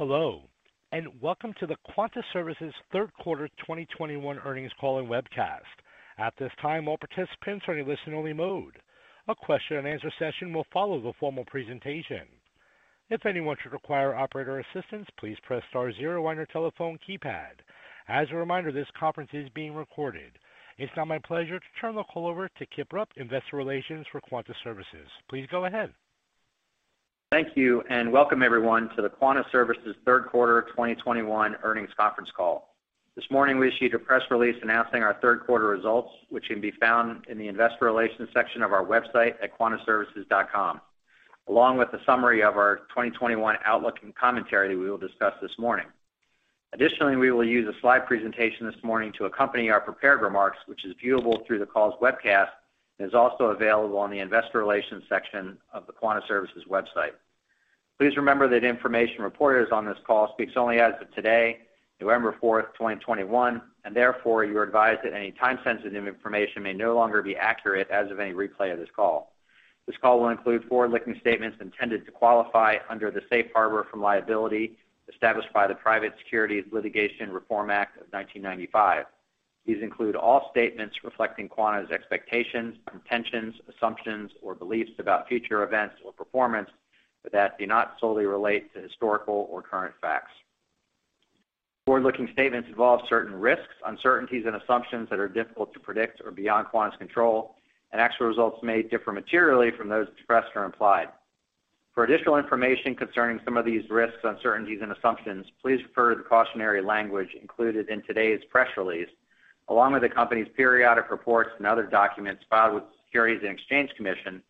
Hello, and welcome to the Quanta Services third quarter 2021 earnings call and webcast. At this time, all participants are in listen-only mode. A question-and-answer session will follow the formal presentation. If anyone should require operator assistance, please press star zero on your telephone keypad. As a reminder, this conference is being recorded. It's now my pleasure to turn the call over to Kip Rupp, Investor Relations for Quanta Services. Please go ahead. Thank you, and welcome everyone to the Quanta Services third quarter 2021 earnings conference call. This morning, we issued a press release announcing our third quarter results, which can be found in the investor relations section of our website at quantaservices.com, along with a summary of our 2021 outlook and commentary we will discuss this morning. Additionally, we will use a slide presentation this morning to accompany our prepared remarks, which is viewable through the call's webcast and is also available on the investor relations section of the Quanta Services website. Please remember that information reported on this call speaks only as of today, November 4, 2021, and therefore you are advised that any time-sensitive information may no longer be accurate as of any replay of this call. This call will include forward-looking statements intended to qualify under the safe harbor from liability established by the Private Securities Litigation Reform Act of 1995. These include all statements reflecting Quanta's expectations, intentions, assumptions, or beliefs about future events or performance that do not solely relate to historical or current facts. Forward-looking statements involve certain risks, uncertainties, and assumptions that are difficult to predict or beyond Quanta's control, and actual results may differ materially from those expressed or implied. For additional information concerning some of these risks, uncertainties, and assumptions, please refer to the cautionary language included in today's press release, along with the company's periodic reports and other documents filed with the Securities and Exchange Commission,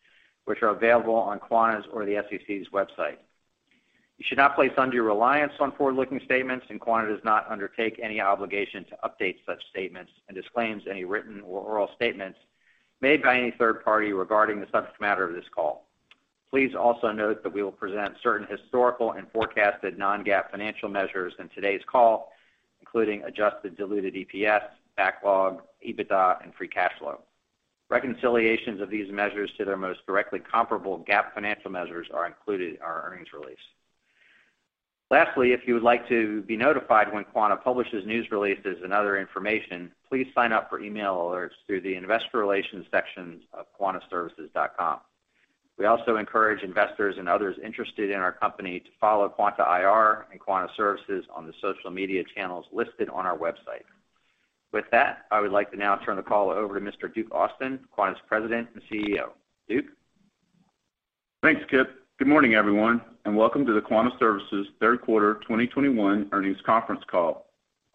which are available on Quanta's or the SEC's website. You should not place undue reliance on forward-looking statements, and Quanta does not undertake any obligation to update such statements and disclaims any written or oral statements made by any third party regarding the subject matter of this call. Please also note that we will present certain historical and forecasted non-GAAP financial measures in today's call, including adjusted diluted EPS, backlog, EBITDA, and free cash flow. Reconciliations of these measures to their most directly comparable GAAP financial measures are included in our earnings release. Lastly, if you would like to be notified when Quanta publishes news releases and other information, please sign up for email alerts through the investor relations sections of quantaservices.com. We also encourage investors and others interested in our company to follow Quanta IR and Quanta Services on the social media channels listed on our website. With that, I would like to now turn the call over to Mr. Duke Austin, Quanta's President and CEO. Duke? Thanks, Kip. Good morning, everyone, and welcome to the Quanta Services third quarter 2021 earnings conference call.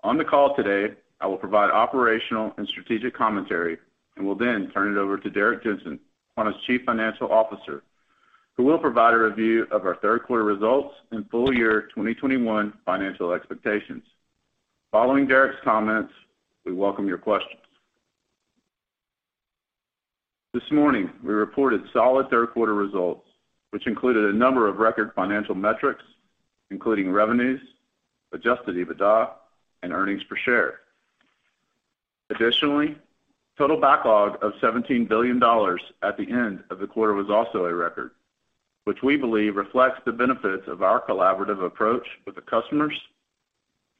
On the call today, I will provide operational and strategic commentary and will then turn it over to Derrick Jensen, Quanta's Chief Financial Officer, who will provide a review of our third quarter results and full year 2021 financial expectations. Following Derrick's comments, we welcome your questions. This morning, we reported solid third quarter results, which included a number of record financial metrics, including revenues, adjusted EBITDA, and earnings per share. Additionally, total backlog of $17 billion at the end of the quarter was also a record, which we believe reflects the benefits of our collaborative approach with the customers,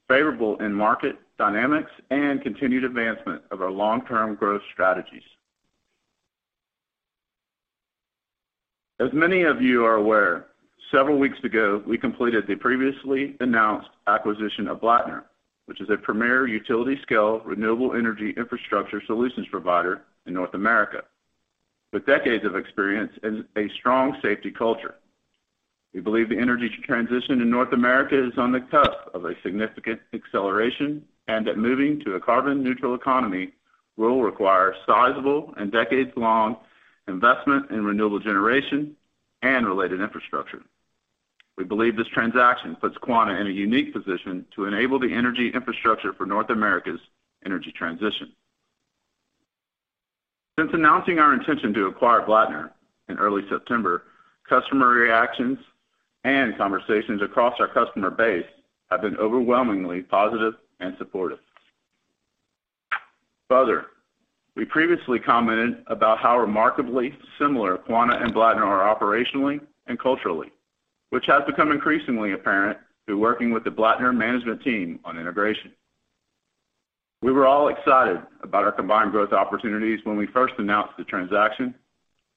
favorable end market dynamics, and continued advancement of our long-term growth strategies. As many of you are aware, several weeks ago, we completed the previously announced acquisition of Blattner, which is a premier utility-scale renewable energy infrastructure solutions provider in North America with decades of experience and a strong safety culture. We believe the energy transition in North America is on the cusp of a significant acceleration and that moving to a carbon neutral economy will require sizable and decades-long investment in renewable generation and related infrastructure. We believe this transaction puts Quanta in a unique position to enable the energy infrastructure for North America's energy transition. Since announcing our intention to acquire Blattner in early September, customer reactions and conversations across our customer base have been overwhelmingly positive and supportive. Further, we previously commented about how remarkably similar Quanta and Blattner are operationally and culturally, which has become increasingly apparent through working with the Blattner management team on integration. We were all excited about our combined growth opportunities when we first announced the transaction,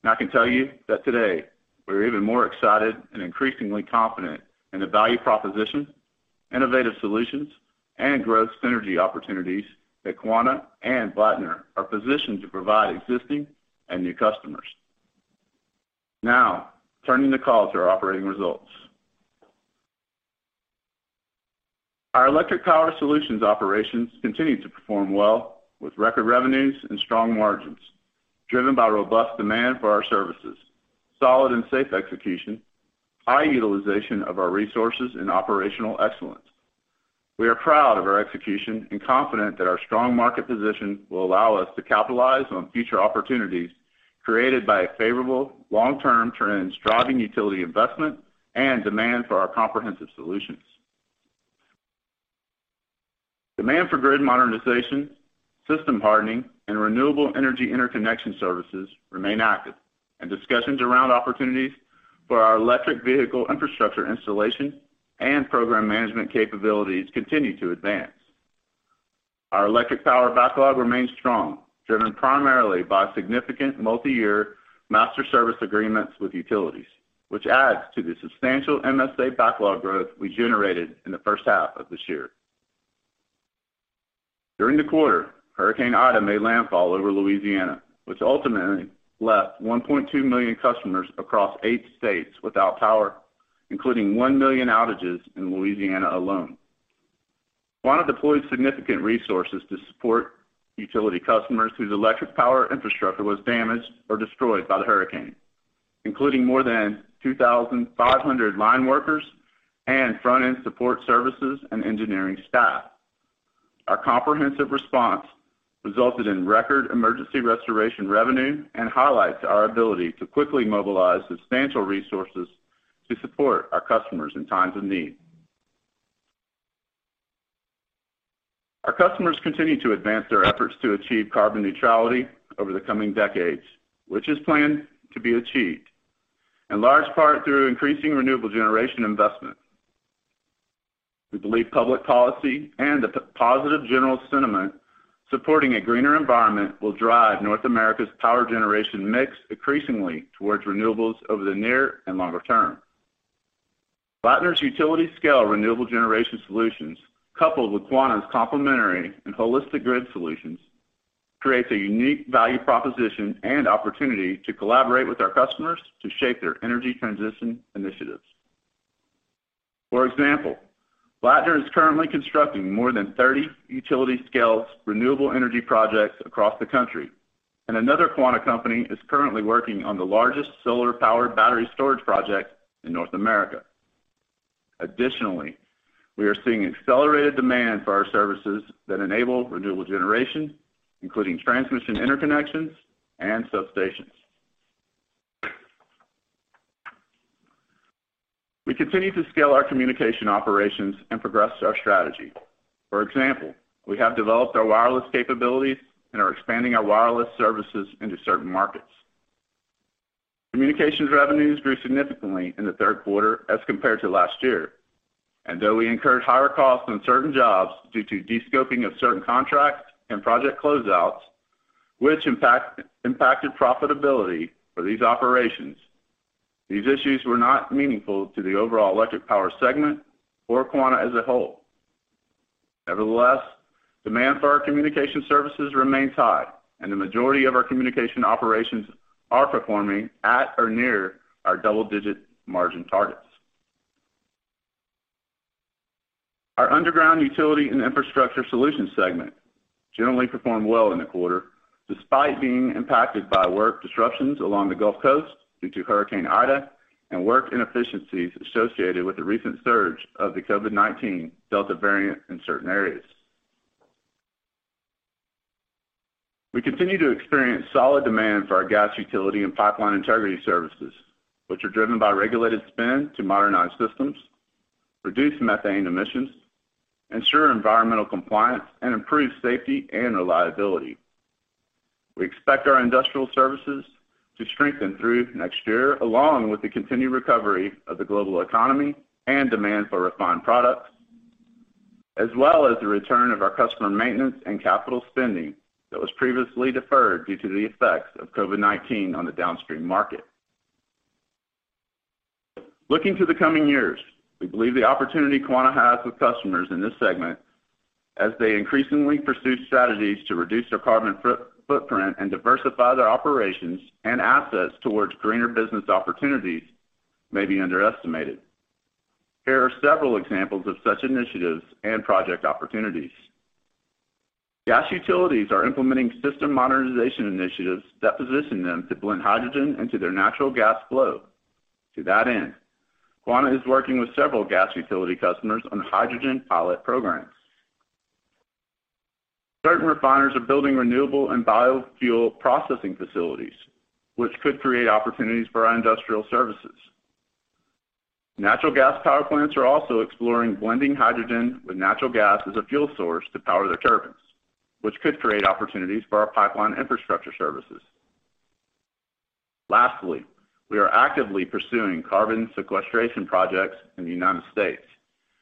and I can tell you that today we're even more excited and increasingly confident in the value proposition, innovative solutions, and growth synergy opportunities that Quanta and Blattner are positioned to provide existing and new customers. Now, turning the call to our operating results. Our electric power solutions operations continue to perform well with record revenues and strong margins, driven by robust demand for our services, solid and safe execution, high utilization of our resources, and operational excellence. We are proud of our execution and confident that our strong market position will allow us to capitalize on future opportunities created by favorable long-term trends driving utility investment and demand for our comprehensive solutions. Demand for grid modernization, system hardening, and renewable energy interconnection services remain active, and discussions around opportunities for our electric vehicle infrastructure installation and program management capabilities continue to advance. Our electric power backlog remains strong, driven primarily by significant multiyear master service agreements with utilities, which adds to the substantial MSA backlog growth we generated in the first half of this year. During the quarter, Hurricane Ida made landfall over Louisiana, which ultimately left 1.2 million customers across eight states without power, including 1 million outages in Louisiana alone. Quanta deployed significant resources to support utility customers whose electric power infrastructure was damaged or destroyed by the hurricane, including more than 2,500 line workers and front-end support services and engineering staff. Our comprehensive response resulted in record emergency restoration revenue and highlights our ability to quickly mobilize substantial resources to support our customers in times of need. Our customers continue to advance their efforts to achieve carbon neutrality over the coming decades, which is planned to be achieved in large part through increasing renewable generation investment. We believe public policy and the positive general sentiment supporting a greener environment will drive North America's power generation mix increasingly towards renewables over the near and longer term. Blattner's utility-scale renewable generation solutions, coupled with Quanta's complementary and holistic grid solutions, creates a unique value proposition and opportunity to collaborate with our customers to shape their energy transition initiatives. For example, Blattner is currently constructing more than 30 utility-scale renewable energy projects across the country, and another Quanta company is currently working on the largest solar-powered battery storage project in North America. Additionally, we are seeing accelerated demand for our services that enable renewable generation, including transmission interconnections and substations. We continue to scale our communication operations and progress our strategy. For example, we have developed our wireless capabilities and are expanding our wireless services into certain markets. Communications revenues grew significantly in the third quarter as compared to last year. Though we incurred higher costs on certain jobs due to de-scoping of certain contracts and project closeouts, which impacted profitability for these operations, these issues were not meaningful to the overall electric power segment or Quanta as a whole. Nevertheless, demand for our communication services remains high, and the majority of our communication operations are performing at or near our double-digit margin targets. Our underground utility and infrastructure solutions segment generally performed well in the quarter, despite being impacted by work disruptions along the Gulf Coast due to Hurricane Ida and work inefficiencies associated with the recent surge of the COVID-19 Delta variant in certain areas. We continue to experience solid demand for our gas utility and pipeline integrity services, which are driven by regulated spend to modernize systems, reduce methane emissions, ensure environmental compliance, and improve safety and reliability. We expect our industrial services to strengthen through next year, along with the continued recovery of the global economy and demand for refined products, as well as the return of our customer maintenance and capital spending that was previously deferred due to the effects of COVID-19 on the downstream market. Looking to the coming years, we believe the opportunity Quanta has with customers in this segment, as they increasingly pursue strategies to reduce their carbon footprint and diversify their operations and assets towards greener business opportunities, may be underestimated. There are several examples of such initiatives and project opportunities. Gas utilities are implementing system modernization initiatives that position them to blend hydrogen into their natural gas flow. To that end, Quanta is working with several gas utility customers on hydrogen pilot programs. Certain refiners are building renewable and biofuel processing facilities, which could create opportunities for our industrial services. Natural gas power plants are also exploring blending hydrogen with natural gas as a fuel source to power their turbines, which could create opportunities for our pipeline infrastructure services. Lastly, we are actively pursuing carbon sequestration projects in the United States,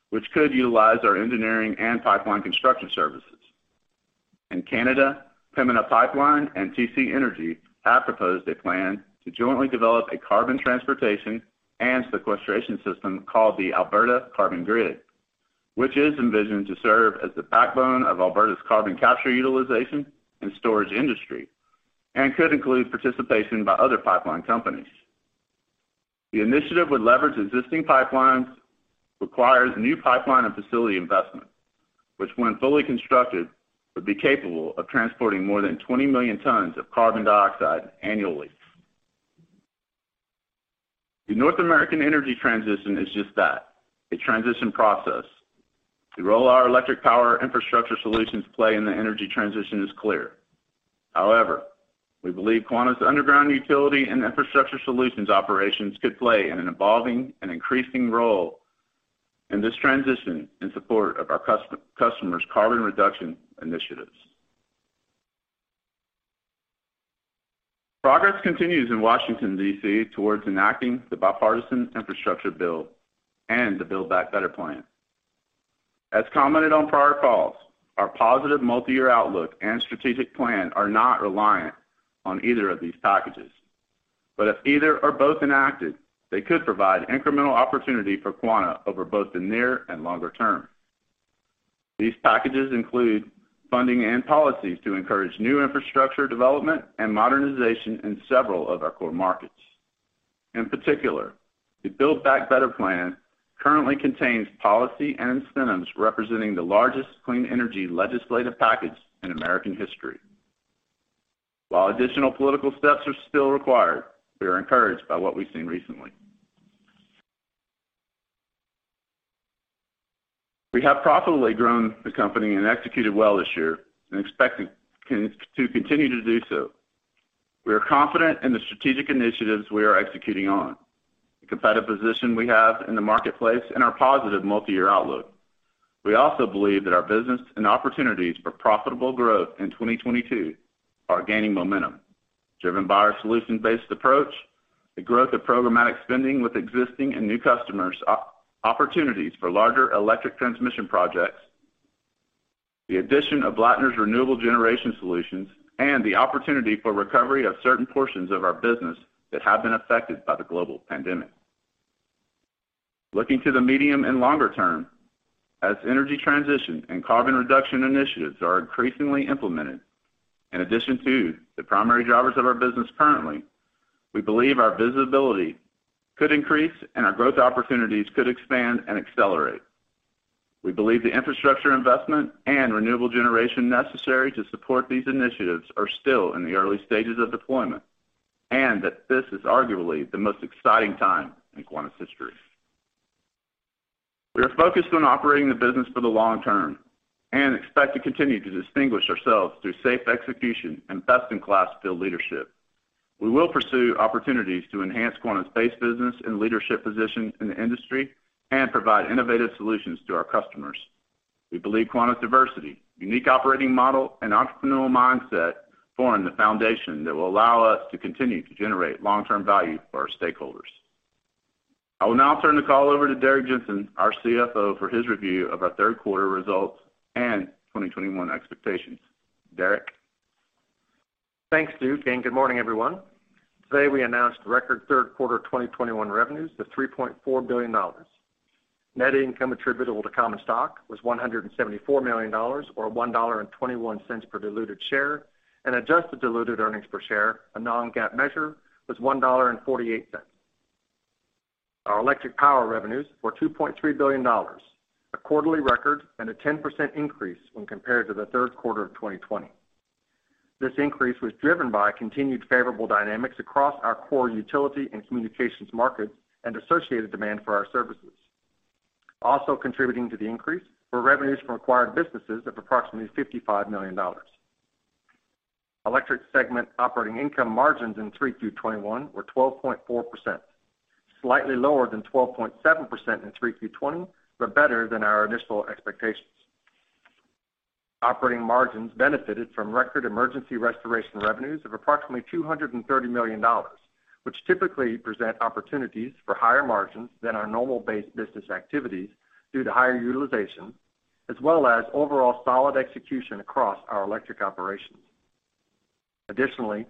which could utilize our engineering and pipeline construction services. In Canada, Pembina Pipeline and TC Energy have proposed a plan to jointly develop a carbon transportation and sequestration system called the Alberta Carbon Grid, which is envisioned to serve as the backbone of Alberta's carbon capture utilization and storage industry and could include participation by other pipeline companies. The initiative would leverage existing pipelines, requires new pipeline and facility investment, which when fully constructed, would be capable of transporting more than 20 million tons of carbon dioxide annually. The North American energy transition is just that, a transition process. The role our electric power infrastructure solutions play in the energy transition is clear. However, we believe Quanta's underground utility and infrastructure solutions operations could play in an evolving and increasing role in this transition in support of our customers' carbon reduction initiatives. Progress continues in Washington, D.C., towards enacting the bipartisan infrastructure bill and the Build Back Better plan. As commented on prior calls, our positive multi-year outlook and strategic plan are not reliant on either of these packages. If either or both enacted, they could provide incremental opportunity for Quanta over both the near and longer term. These packages include funding and policies to encourage new infrastructure development and modernization in several of our core markets. In particular, the Build Back Better plan currently contains policy and incentives representing the largest clean energy legislative package in American history. While additional political steps are still required, we are encouraged by what we've seen recently. We have profitably grown the company and executed well this year and expect to continue to do so. We are confident in the strategic initiatives we are executing on, the competitive position we have in the marketplace, and our positive multi-year outlook. We also believe that our business and opportunities for profitable growth in 2022 are gaining momentum, driven by our solution-based approach, the growth of programmatic spending with existing and new customers, opportunities for larger electric transmission projects, the addition of Blattner's Renewable Generation solutions, and the opportunity for recovery of certain portions of our business that have been affected by the global pandemic. Looking to the medium and longer term, as energy transition and carbon reduction initiatives are increasingly implemented, in addition to the primary drivers of our business currently, we believe our visibility could increase and our growth opportunities could expand and accelerate. We believe the infrastructure investment and renewable generation necessary to support these initiatives are still in the early stages of deployment, and that this is arguably the most exciting time in Quanta's history. We are focused on operating the business for the long term and expect to continue to distinguish ourselves through safe execution and best-in-class field leadership. We will pursue opportunities to enhance Quanta's base business and leadership position in the industry and provide innovative solutions to our customers. We believe Quanta's diversity, unique operating model, and entrepreneurial mindset form the foundation that will allow us to continue to generate long-term value for our stakeholders. I will now turn the call over to Derrick Jensen, our CFO, for his review of our third quarter results and 2021 expectations. Derrick? Thanks, Duke, and good morning, everyone. Today, we announced record third quarter 2021 revenues of $3.4 billion. Net income attributable to common stock was $174 million or $1.21 per diluted share, and adjusted diluted earnings per share, a non-GAAP measure, was $1.48. Our electric power revenues were $2.3 billion, a quarterly record and a 10% increase when compared to the third quarter of 2020. This increase was driven by continued favorable dynamics across our core utility and communications markets and associated demand for our services. Also contributing to the increase were revenues from acquired businesses of approximately $55 million. Electric Segment operating income margins in 3Q 2021 were 12.4%, slightly lower than 12.7% in 3Q 2020, but better than our initial expectations. Operating margins benefited from record emergency restoration revenues of approximately $230 million, which typically present opportunities for higher margins than our normal base business activities due to higher utilization as well as overall solid execution across our electric operations. Additionally,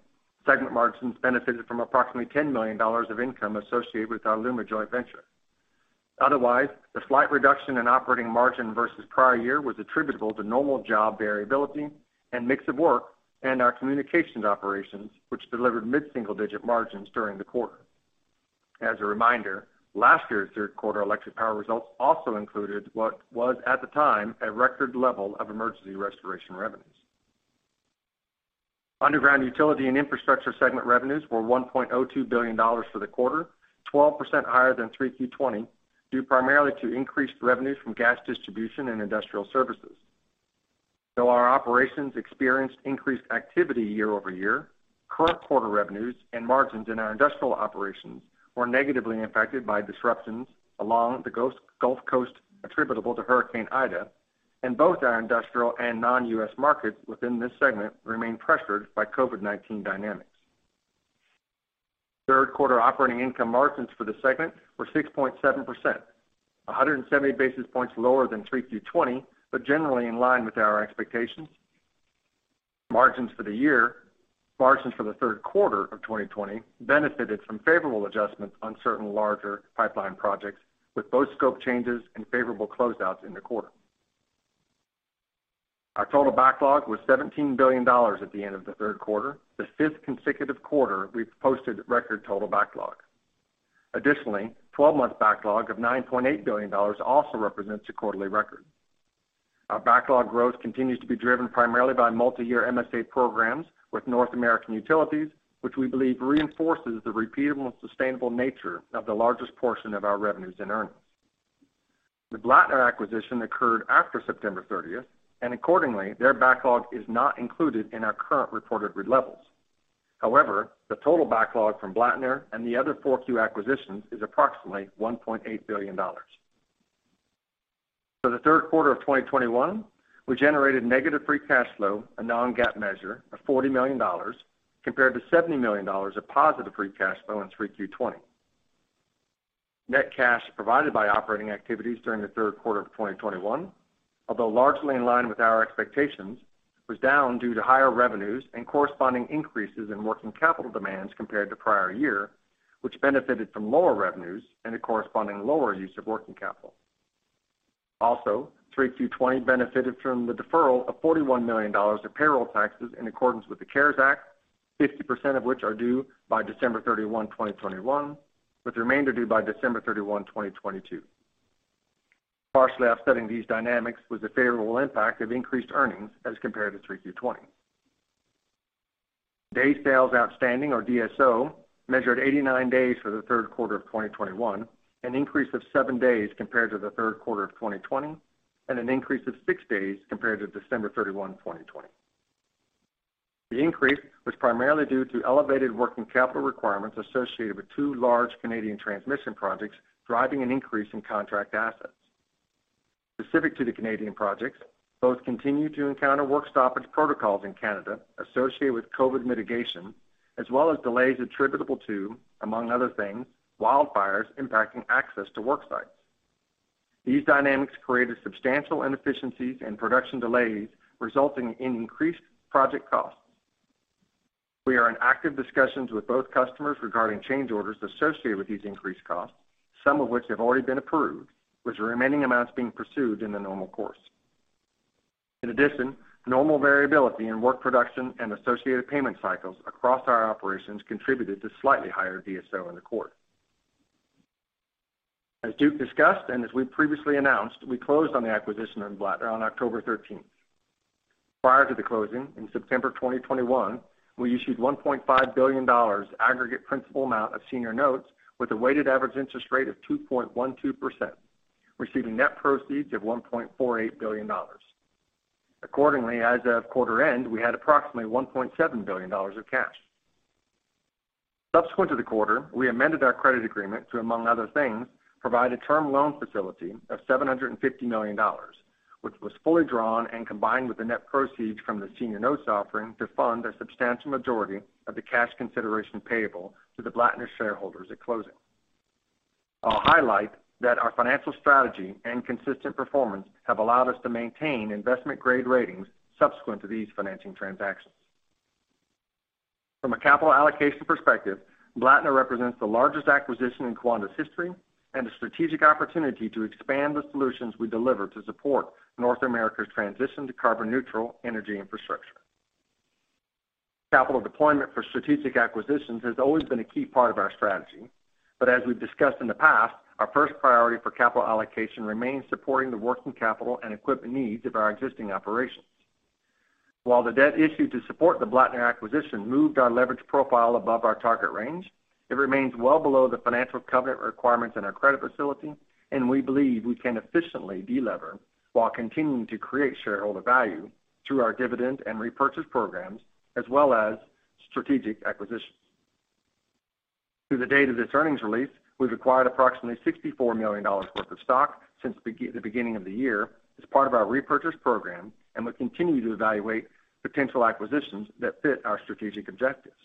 segment margins benefited from approximately $10 million of income associated with our LUMA joint venture. Otherwise, the slight reduction in operating margin versus prior year was attributable to normal job variability and mix of work in our communications operations, which delivered mid-single-digit margins during the quarter. As a reminder, last year's third quarter electric power results also included what was at the time, a record level of emergency restoration revenues. Underground utility and infrastructure segment revenues were $1.02 billion for the quarter, 12% higher than 3Q 2020, due primarily to increased revenues from gas distribution and industrial services. Though our operations experienced increased activity year-over-year, current quarter revenues and margins in our industrial operations were negatively impacted by disruptions along the Gulf Coast attributable to Hurricane Ida, and both our industrial and non-U.S. markets within this segment remained pressured by COVID-19 dynamics. Third quarter operating income margins for the segment were 6.7%, 170 basis points lower than 3Q 2020, but generally in line with our expectations. Margins for the third quarter of 2020 benefited from favorable adjustments on certain larger pipeline projects, with both scope changes and favorable closeouts in the quarter. Our total backlog was $17 billion at the end of the third quarter, the fifth consecutive quarter we've posted record total backlog. Additionally, 12-month backlog of $9.8 billion also represents a quarterly record. Our backlog growth continues to be driven primarily by multi-year MSA programs with North American utilities, which we believe reinforces the repeatable and sustainable nature of the largest portion of our revenues and earnings. The Blattner acquisition occurred after September 30th, and accordingly, their backlog is not included in our current reported backlog levels. However, the total backlog from Blattner and the other 4Q acquisitions is approximately $1.8 billion. For the third quarter of 2021, we generated negative free cash flow, a non-GAAP measure, of $40 million compared to $70 million of positive free cash flow in 3Q 2020. Net cash provided by operating activities during the third quarter of 2021, although largely in line with our expectations, was down due to higher revenues and corresponding increases in working capital demands compared to prior year, which benefited from lower revenues and a corresponding lower use of working capital. Also, 3Q 2020 benefited from the deferral of $41 million of payroll taxes in accordance with the CARES Act, 50% of which are due by December 31, 2021, with the remainder due by December 31, 2022. Partially offsetting these dynamics was the favorable impact of increased earnings as compared to 3Q 2020. Day sales outstanding, or DSO, measured 89 days for the third quarter of 2021, an increase of seven days compared to the third quarter of 2020, and an increase of six days compared to December 31, 2020. The increase was primarily due to elevated working capital requirements associated with two large Canadian transmission projects, driving an increase in contract assets. Specific to the Canadian projects, both continue to encounter work stoppage protocols in Canada associated with COVID mitigation, as well as delays attributable to, among other things, wildfires impacting access to work sites. These dynamics created substantial inefficiencies and production delays resulting in increased project costs. We are in active discussions with both customers regarding change orders associated with these increased costs, some of which have already been approved, with the remaining amounts being pursued in the normal course. In addition, normal variability in work production and associated payment cycles across our operations contributed to slightly higher DSO in the quarter. As Duke discussed, and as we previously announced, we closed on the acquisition of Blattner on October 13th. Prior to the closing in September 2021, we issued $1.5 billion aggregate principal amount of senior notes with a weighted average interest rate of 2.12%, receiving net proceeds of $1.48 billion. Accordingly, as of quarter end, we had approximately $1.7 billion of cash. Subsequent to the quarter, we amended our credit agreement to, among other things, provide a term loan facility of $750 million, which was fully drawn and combined with the net proceeds from the senior notes offering to fund a substantial majority of the cash consideration payable to the Blattner shareholders at closing. I'll highlight that our financial strategy and consistent performance have allowed us to maintain investment-grade ratings subsequent to these financing transactions. From a capital allocation perspective, Blattner represents the largest acquisition in Quanta's history and a strategic opportunity to expand the solutions we deliver to support North America's transition to carbon-neutral energy infrastructure. Capital deployment for strategic acquisitions has always been a key part of our strategy. As we've discussed in the past, our first priority for capital allocation remains supporting the working capital and equipment needs of our existing operations. While the debt issued to support the Blattner acquisition moved our leverage profile above our target range, it remains well below the financial covenant requirements in our credit facility. We believe we can efficiently delever while continuing to create shareholder value through our dividend and repurchase programs as well as strategic acquisitions. Through the date of this earnings release, we've acquired approximately $64 million worth of stock since the beginning of the year as part of our repurchase program, and we continue to evaluate potential acquisitions that fit our strategic objectives.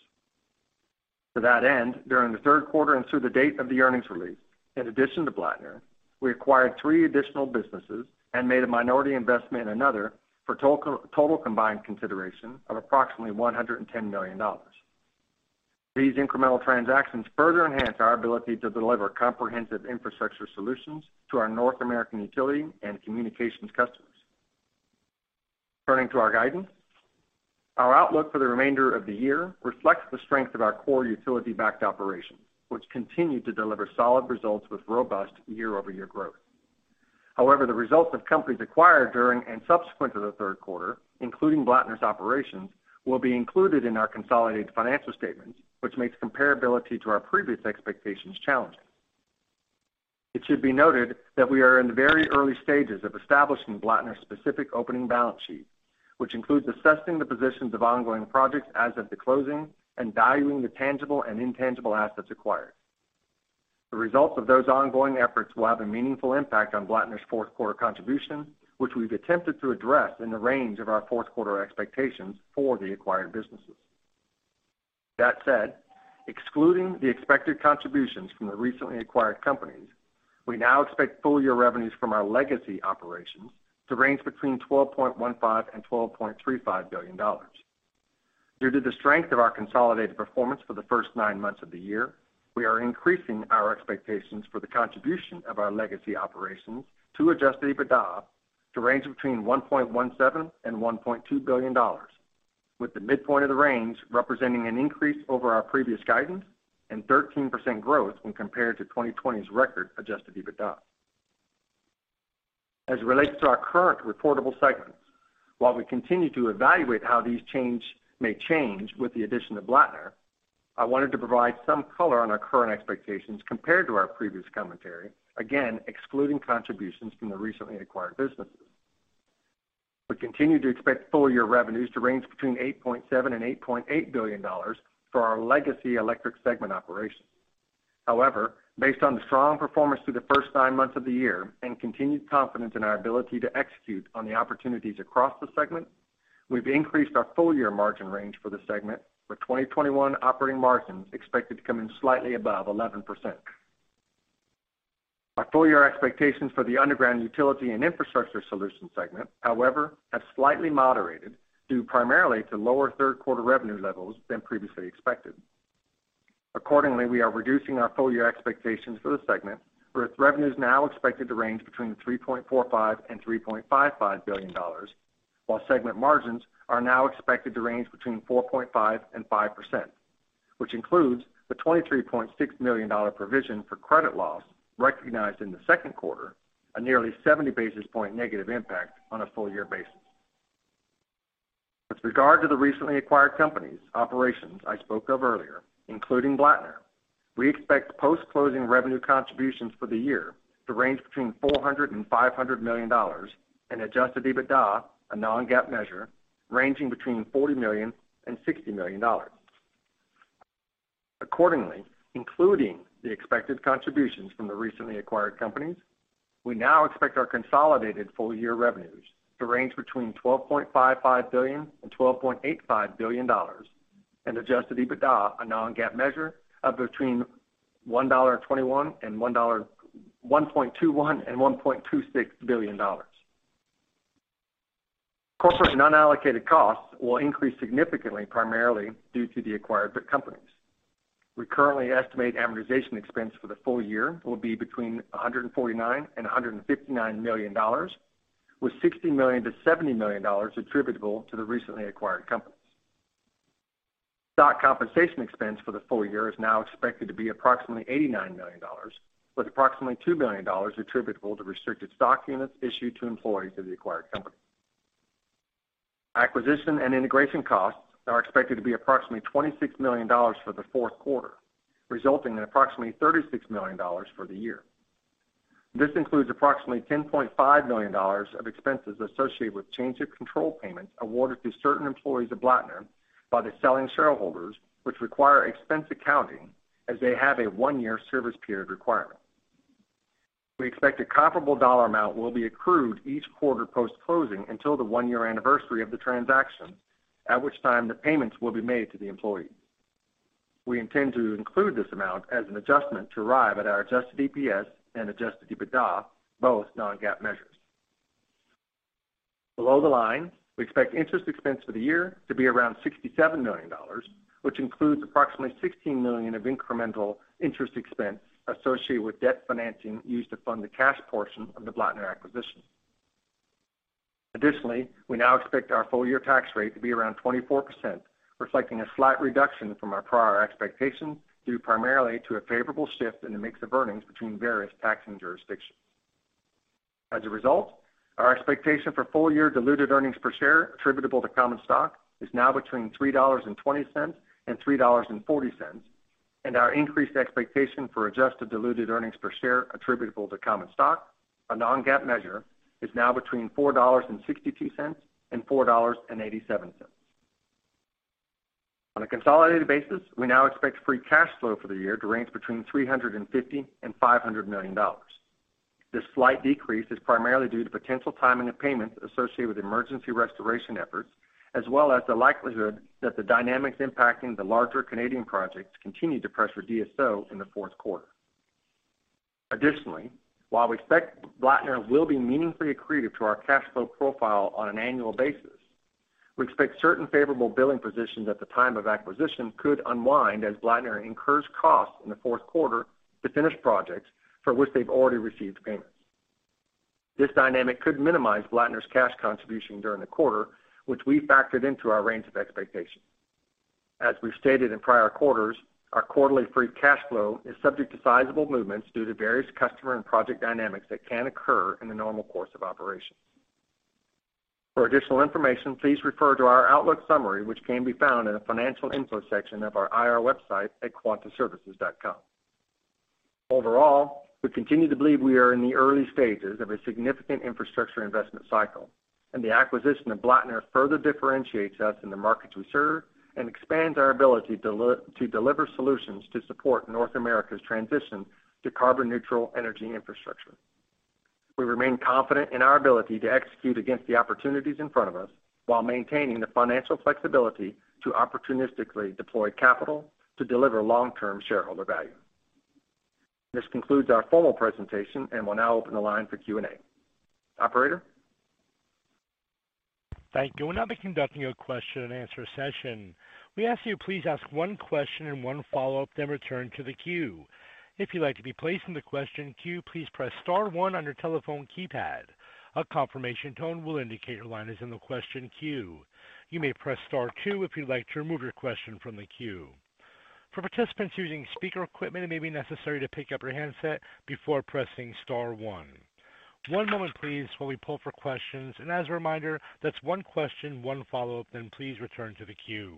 To that end, during the third quarter and through the date of the earnings release, in addition to Blattner, we acquired three additional businesses and made a minority investment in another for total combined consideration of approximately $110 million. These incremental transactions further enhance our ability to deliver comprehensive infrastructure solutions to our North American utility and communications customers. Turning to our guidance. Our outlook for the remainder of the year reflects the strength of our core utility-backed operations, which continue to deliver solid results with robust year-over-year growth. However, the results of companies acquired during and subsequent to the third quarter, including Blattner's operations, will be included in our consolidated financial statements, which makes comparability to our previous expectations challenging. It should be noted that we are in the very early stages of establishing Blattner's specific opening balance sheet, which includes assessing the positions of ongoing projects as of the closing and valuing the tangible and intangible assets acquired. The results of those ongoing efforts will have a meaningful impact on Blattner's fourth quarter contribution, which we've attempted to address in the range of our fourth quarter expectations for the acquired businesses. That said, excluding the expected contributions from the recently acquired companies, we now expect full-year revenues from our legacy operations to range between $12.15 billion and $12.35 billion. Due to the strength of our consolidated performance for the first nine months of the year, we are increasing our expectations for the contribution of our legacy operations to adjusted EBITDA to range between $1.17 billion and $1.2 billion, with the midpoint of the range representing an increase over our previous guidance and 13% growth when compared to 2020's record adjusted EBITDA. As it relates to our current reportable segments. While we continue to evaluate how these changes may change with the addition of Blattner, I wanted to provide some color on our current expectations compared to our previous commentary, again, excluding contributions from the recently acquired businesses. We continue to expect full year revenues to range between $8.7 billion and $8.8 billion for our legacy electric segment operations. However, based on the strong performance through the first nine months of the year and continued confidence in our ability to execute on the opportunities across the segment, we've increased our full year margin range for the segment, with 2021 operating margins expected to come in slightly above 11%. Our full year expectations for the underground utility and infrastructure solution segment, however, have slightly moderated due primarily to lower third quarter revenue levels than previously expected. Accordingly, we are reducing our full year expectations for the segment, with revenues now expected to range between $3.45 billion and $3.55 billion, while segment margins are now expected to range between 4.5% and 5%, which includes the $23.6 million provision for credit loss recognized in the second quarter, a nearly 70 basis point negative impact on a full year basis. With regard to the recently acquired companies' operations I spoke of earlier, including Blattner, we expect post-closing revenue contributions for the year to range between $400 million and $500 million and adjusted EBITDA, a non-GAAP measure, ranging between $40 million and $60 million. Accordingly, including the expected contributions from the recently acquired companies, we now expect our consolidated full-year revenues to range between $12.55 billion and $12.85 billion and adjusted EBITDA, a non-GAAP measure, of between $1.21 billion and $1.26 billion. Corporate non-allocated costs will increase significantly, primarily due to the acquired companies. We currently estimate amortization expense for the full year will be between $149 million and $159 million, with $60 million-$70 million attributable to the recently acquired companies. Stock compensation expense for the full year is now expected to be approximately $89 million, with approximately $2 million attributable to restricted stock units issued to employees of the acquired company. Acquisition and integration costs are expected to be approximately $26 million for the fourth quarter, resulting in approximately $36 million for the year. This includes approximately $10.5 million of expenses associated with change in control payments awarded to certain employees of Blattner by the selling shareholders, which require expense accounting as they have a one-year service period requirement. We expect a comparable dollar amount will be accrued each quarter post-closing until the one-year anniversary of the transaction, at which time the payments will be made to the employee. We intend to include this amount as an adjustment to arrive at our adjusted EPS and adjusted EBITDA, both non-GAAP measures. Below the line, we expect interest expense for the year to be around $67 million, which includes approximately $16 million of incremental interest expense associated with debt financing used to fund the cash portion of the Blattner acquisition. Additionally, we now expect our full year tax rate to be around 24%, reflecting a slight reduction from our prior expectations, due primarily to a favorable shift in the mix of earnings between various taxing jurisdictions. As a result, our expectation for full year diluted earnings per share attributable to common stock is now between $3.20 and $3.40, and our increased expectation for adjusted diluted earnings per share attributable to common stock, a non-GAAP measure, is now between $4.62 and $4.87. On a consolidated basis, we now expect free cash flow for the year to range between $350 million and $500 million. This slight decrease is primarily due to potential timing of payments associated with emergency restoration efforts, as well as the likelihood that the dynamics impacting the larger Canadian projects continue to pressure DSO in the fourth quarter. Additionally, while we expect Blattner will be meaningfully accretive to our cash flow profile on an annual basis, we expect certain favorable billing positions at the time of acquisition could unwind as Blattner incurs costs in the fourth quarter to finish projects for which they've already received payments. This dynamic could minimize Blattner's cash contribution during the quarter, which we factored into our range of expectations. As we've stated in prior quarters, our quarterly free cash flow is subject to sizable movements due to various customer and project dynamics that can occur in the normal course of operations. For additional information, please refer to our outlook summary, which can be found in the financial info section of our IR website at quantaservices.com. Overall, we continue to believe we are in the early stages of a significant infrastructure investment cycle, and the acquisition of Blattner further differentiates us in the markets we serve and expands our ability to deliver solutions to support North America's transition to carbon neutral energy infrastructure. We remain confident in our ability to execute against the opportunities in front of us while maintaining the financial flexibility to opportunistically deploy capital to deliver long-term shareholder value. This concludes our formal presentation, and we'll now open the line for Q&A. Operator? Thank you. We'll now be conducting a question and answer session. We ask you please ask one question and one follow-up, then return to the queue. If you'd like to be placed in the question queue, please press star one on your telephone keypad. A confirmation tone will indicate your line is in the question queue. You may press star two if you'd like to remove your question from the queue. For participants using speaker equipment, it may be necessary to pick up your handset before pressing star one. One moment please while we pull for questions. As a reminder, that's one question, one follow-up, then please return to the queue.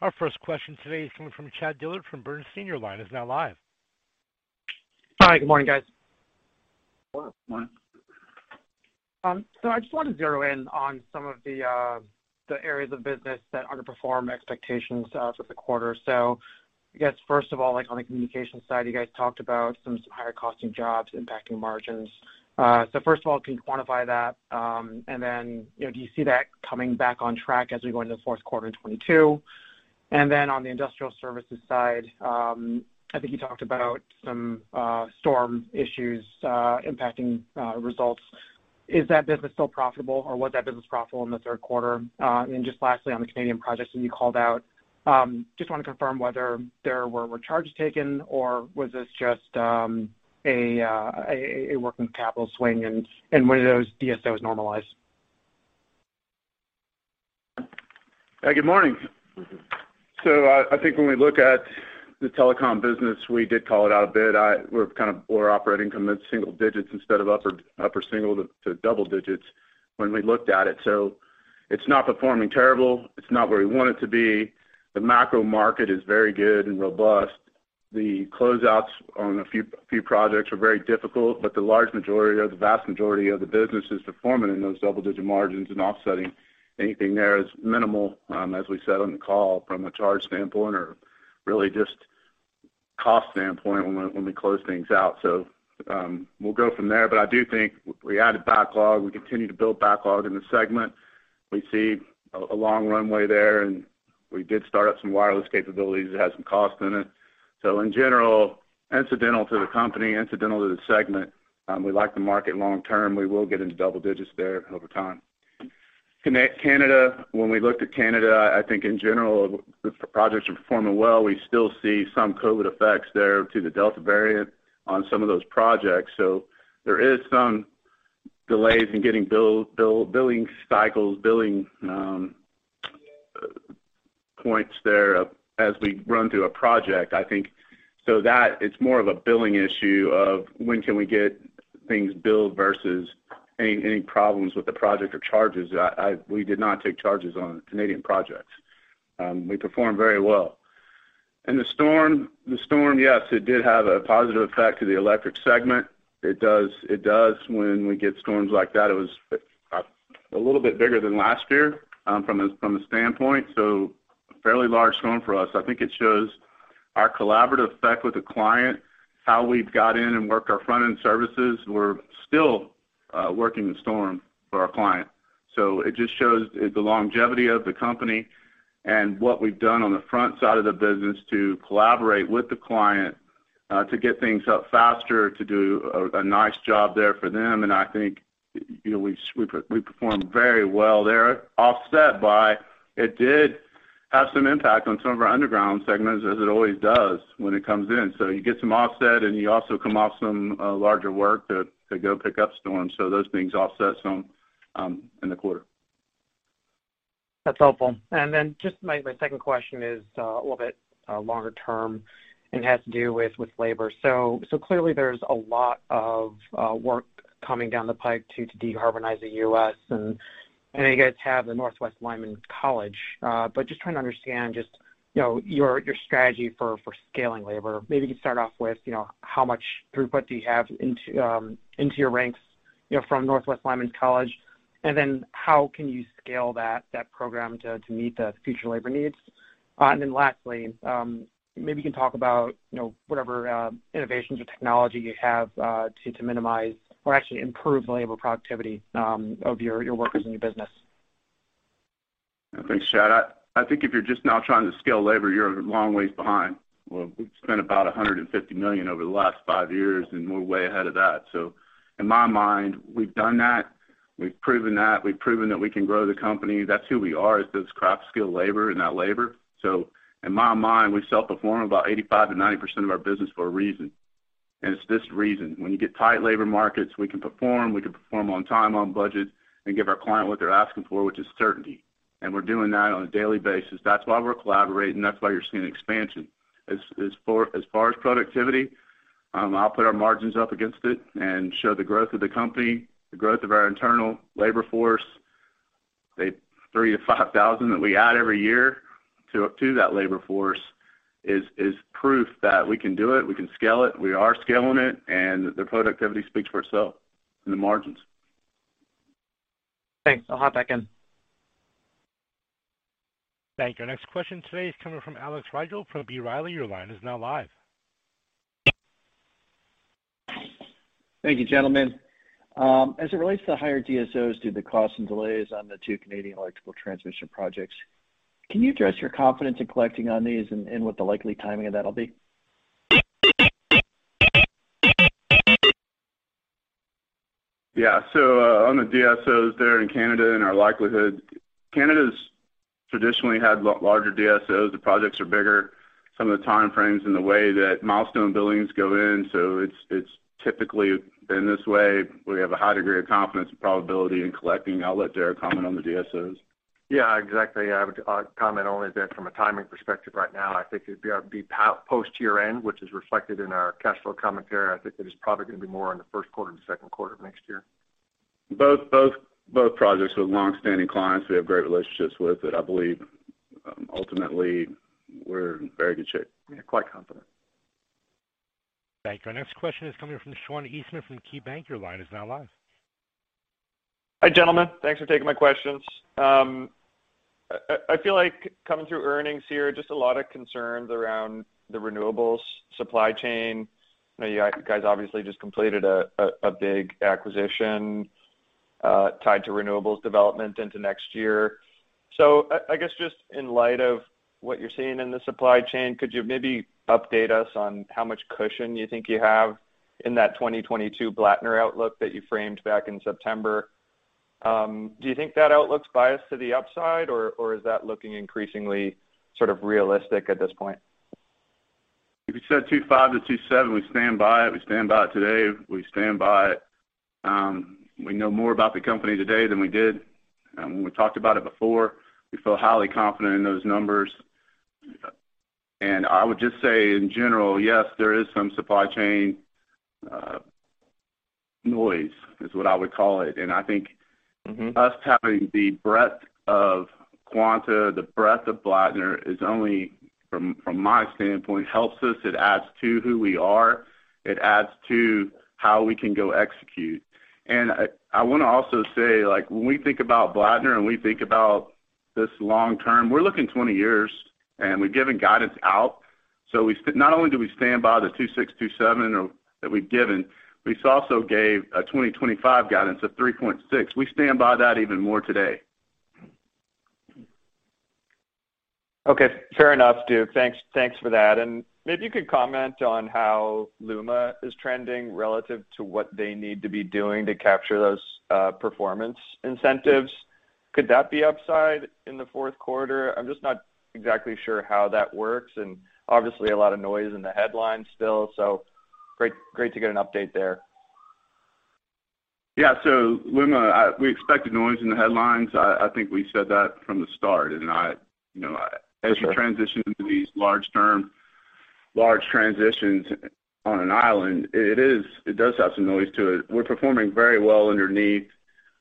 Our first question today is coming from Chad Dillard from Bernstein. Line is now live. Hi. Good morning, guys. Good morning. I just wanted to zero in on some of the areas of business that underperformed expectations for the quarter. I guess first of all, like on the communication side, you guys talked about some higher costing jobs impacting margins. First of all, can you quantify that? And then, you know, do you see that coming back on track as we go into the fourth quarter in 2022? On the industrial services side, I think you talked about some storm issues impacting results. Is that business still profitable or was that business profitable in the third quarter? Just lastly, on the Canadian projects that you called out, I just want to confirm whether there were charges taken or was this just a working capital swing and when are those DSOs normalized? Yeah, good morning. I think when we look at the telecom business, we did call it out a bit. We're operating from the single digits instead of upper single to double digits when we looked at it. It's not performing terrible. It's not where we want it to be. The macro market is very good and robust. The closeouts on a few projects are very difficult, but the large majority or the vast majority of the business is performing in those double-digit margins and offsetting anything there as minimal, as we said on the call from a charge standpoint or really just cost standpoint when we close things out. We'll go from there. I do think we added backlog. We continue to build backlog in the segment. We see a long runway there, and we did start up some wireless capabilities that had some cost in it. In general, incidental to the company, incidental to the segment, we like the market long term. We will get into double digits there over time. Connect Canada, when we looked at Canada, I think in general the projects are performing well. We still see some COVID effects there to the Delta variant on some of those projects. There is some delay in getting billing cycles, points there as we run through a project. I think that it's more of a billing issue of when can we get things billed versus any problems with the project or charges. We did not take charges on Canadian projects. We performed very well. The storm, yes, it did have a positive effect to the electric segment. It does. It does when we get storms like that. It was a little bit bigger than last year from a standpoint, so a fairly large storm for us. I think it shows our collaborative effect with the client, how we've got in and worked our front-end services. We're still working the storm for our client. So it just shows the longevity of the company and what we've done on the front side of the business to collaborate with the client to get things up faster, to do a nice job there for them. I think, you know, we performed very well there, offset by it did have some impact on some of our underground segments, as it always does when it comes in. You get some offset and you also come off some larger work to go pick up storms. Those things offset some in the quarter. That's helpful. Then just my second question is a little bit longer term and has to do with labor. Clearly there's a lot of work coming down the pipe to decarbonize the U.S., and you guys have the Northwest Lineman College. But just trying to understand, you know, your strategy for scaling labor. Maybe you could start off with, you know, how much throughput do you have into your ranks, you know, from Northwest Lineman College. How can you scale that program to meet the future labor needs? Then lastly, maybe you can talk about, you know, whatever innovations or technology you have to minimize or actually improve labor productivity of your workers in your business. Thanks, Chad. I think if you're just now trying to scale labor, you're a long ways behind. We've spent about $150 million over the last five years, and we're way ahead of that. In my mind, we've done that. We've proven that. We've proven that we can grow the company. That's who we are is this craft skill labor and that labor. In my mind, we self-perform about 85%-90% of our business for a reason. It's this reason. When you get tight labor markets, we can perform on time, on budget, and give our client what they're asking for, which is certainty. We're doing that on a daily basis. That's why we're collaborating. That's why you're seeing expansion. As far as productivity, I'll put our margins up against it and show the growth of the company, the growth of our internal labor force. The 3,000-5,000 that we add every year to that labor force is proof that we can do it, we can scale it, we are scaling it, and the productivity speaks for itself in the margins. Thanks. I'll hop back in. Thank you. Our next question today is coming from Alex Rygiel from B. Riley. Your line is now live. Thank you, gentlemen. As it relates to the higher DSOs due to costs and delays on the two Canadian electrical transmission projects, can you address your confidence in collecting on these and what the likely timing of that'll be? On the DSOs there in Canada and our likelihood, Canada's traditionally had larger DSOs. The projects are bigger. Some of the time frames and the way that milestone billings go in, so it's typically been this way. We have a high degree of confidence and probability in collecting. I'll let Derrick comment on the DSOs. Yeah, exactly. I would comment only that from a timing perspective right now, I think it'd be our post year-end, which is reflected in our cash flow commentary. I think there's probably gonna be more in the first quarter and second quarter of next year. Both projects with long-standing clients we have great relationships with that I believe, ultimately we're in very good shape. Yeah, quite confident. Thank you. Our next question is coming from Sean Eastman from KeyBanc. Your line is now live. Hi, gentlemen. Thanks for taking my questions. I feel like coming through earnings here, just a lot of concerns around the renewables supply chain. I know you guys obviously just completed a big acquisition tied to renewables development into next year. I guess just in light of what you're seeing in the supply chain, could you maybe update us on how much cushion you think you have in that 2022 Blattner outlook that you framed back in September? Do you think that outlook's biased to the upside or is that looking increasingly sort of realistic at this point? If you said 2.5-2.7, we stand by it. We stand by it today. We know more about the company today than we did when we talked about it before. We feel highly confident in those numbers. I would just say in general, yes, there is some supply chain noise is what I would call it. I think- Mm-hmm... us having the breadth of Quanta, the breadth of Blattner is only from my standpoint helps us. It adds to who we are. It adds to how we can go execute. I wanna also say like when we think about Blattner and we think about this long term, we're looking 20 years and we've given guidance out. Not only do we stand by the 2.6, 2.7 that we've given, we also gave a 2025 guidance of 3.6. We stand by that even more today. Okay. Fair enough, Duke. Thanks for that. Maybe you could comment on how LUMA is trending relative to what they need to be doing to capture those performance incentives. Could that be upside in the fourth quarter? I'm just not exactly sure how that works and obviously a lot of noise in the headlines still, so great to get an update there. LUMA, we expected noise in the headlines. I think we said that from the start, you know. As you transition into these long-term large transitions on an island, it does have some noise to it. We're performing very well underneath.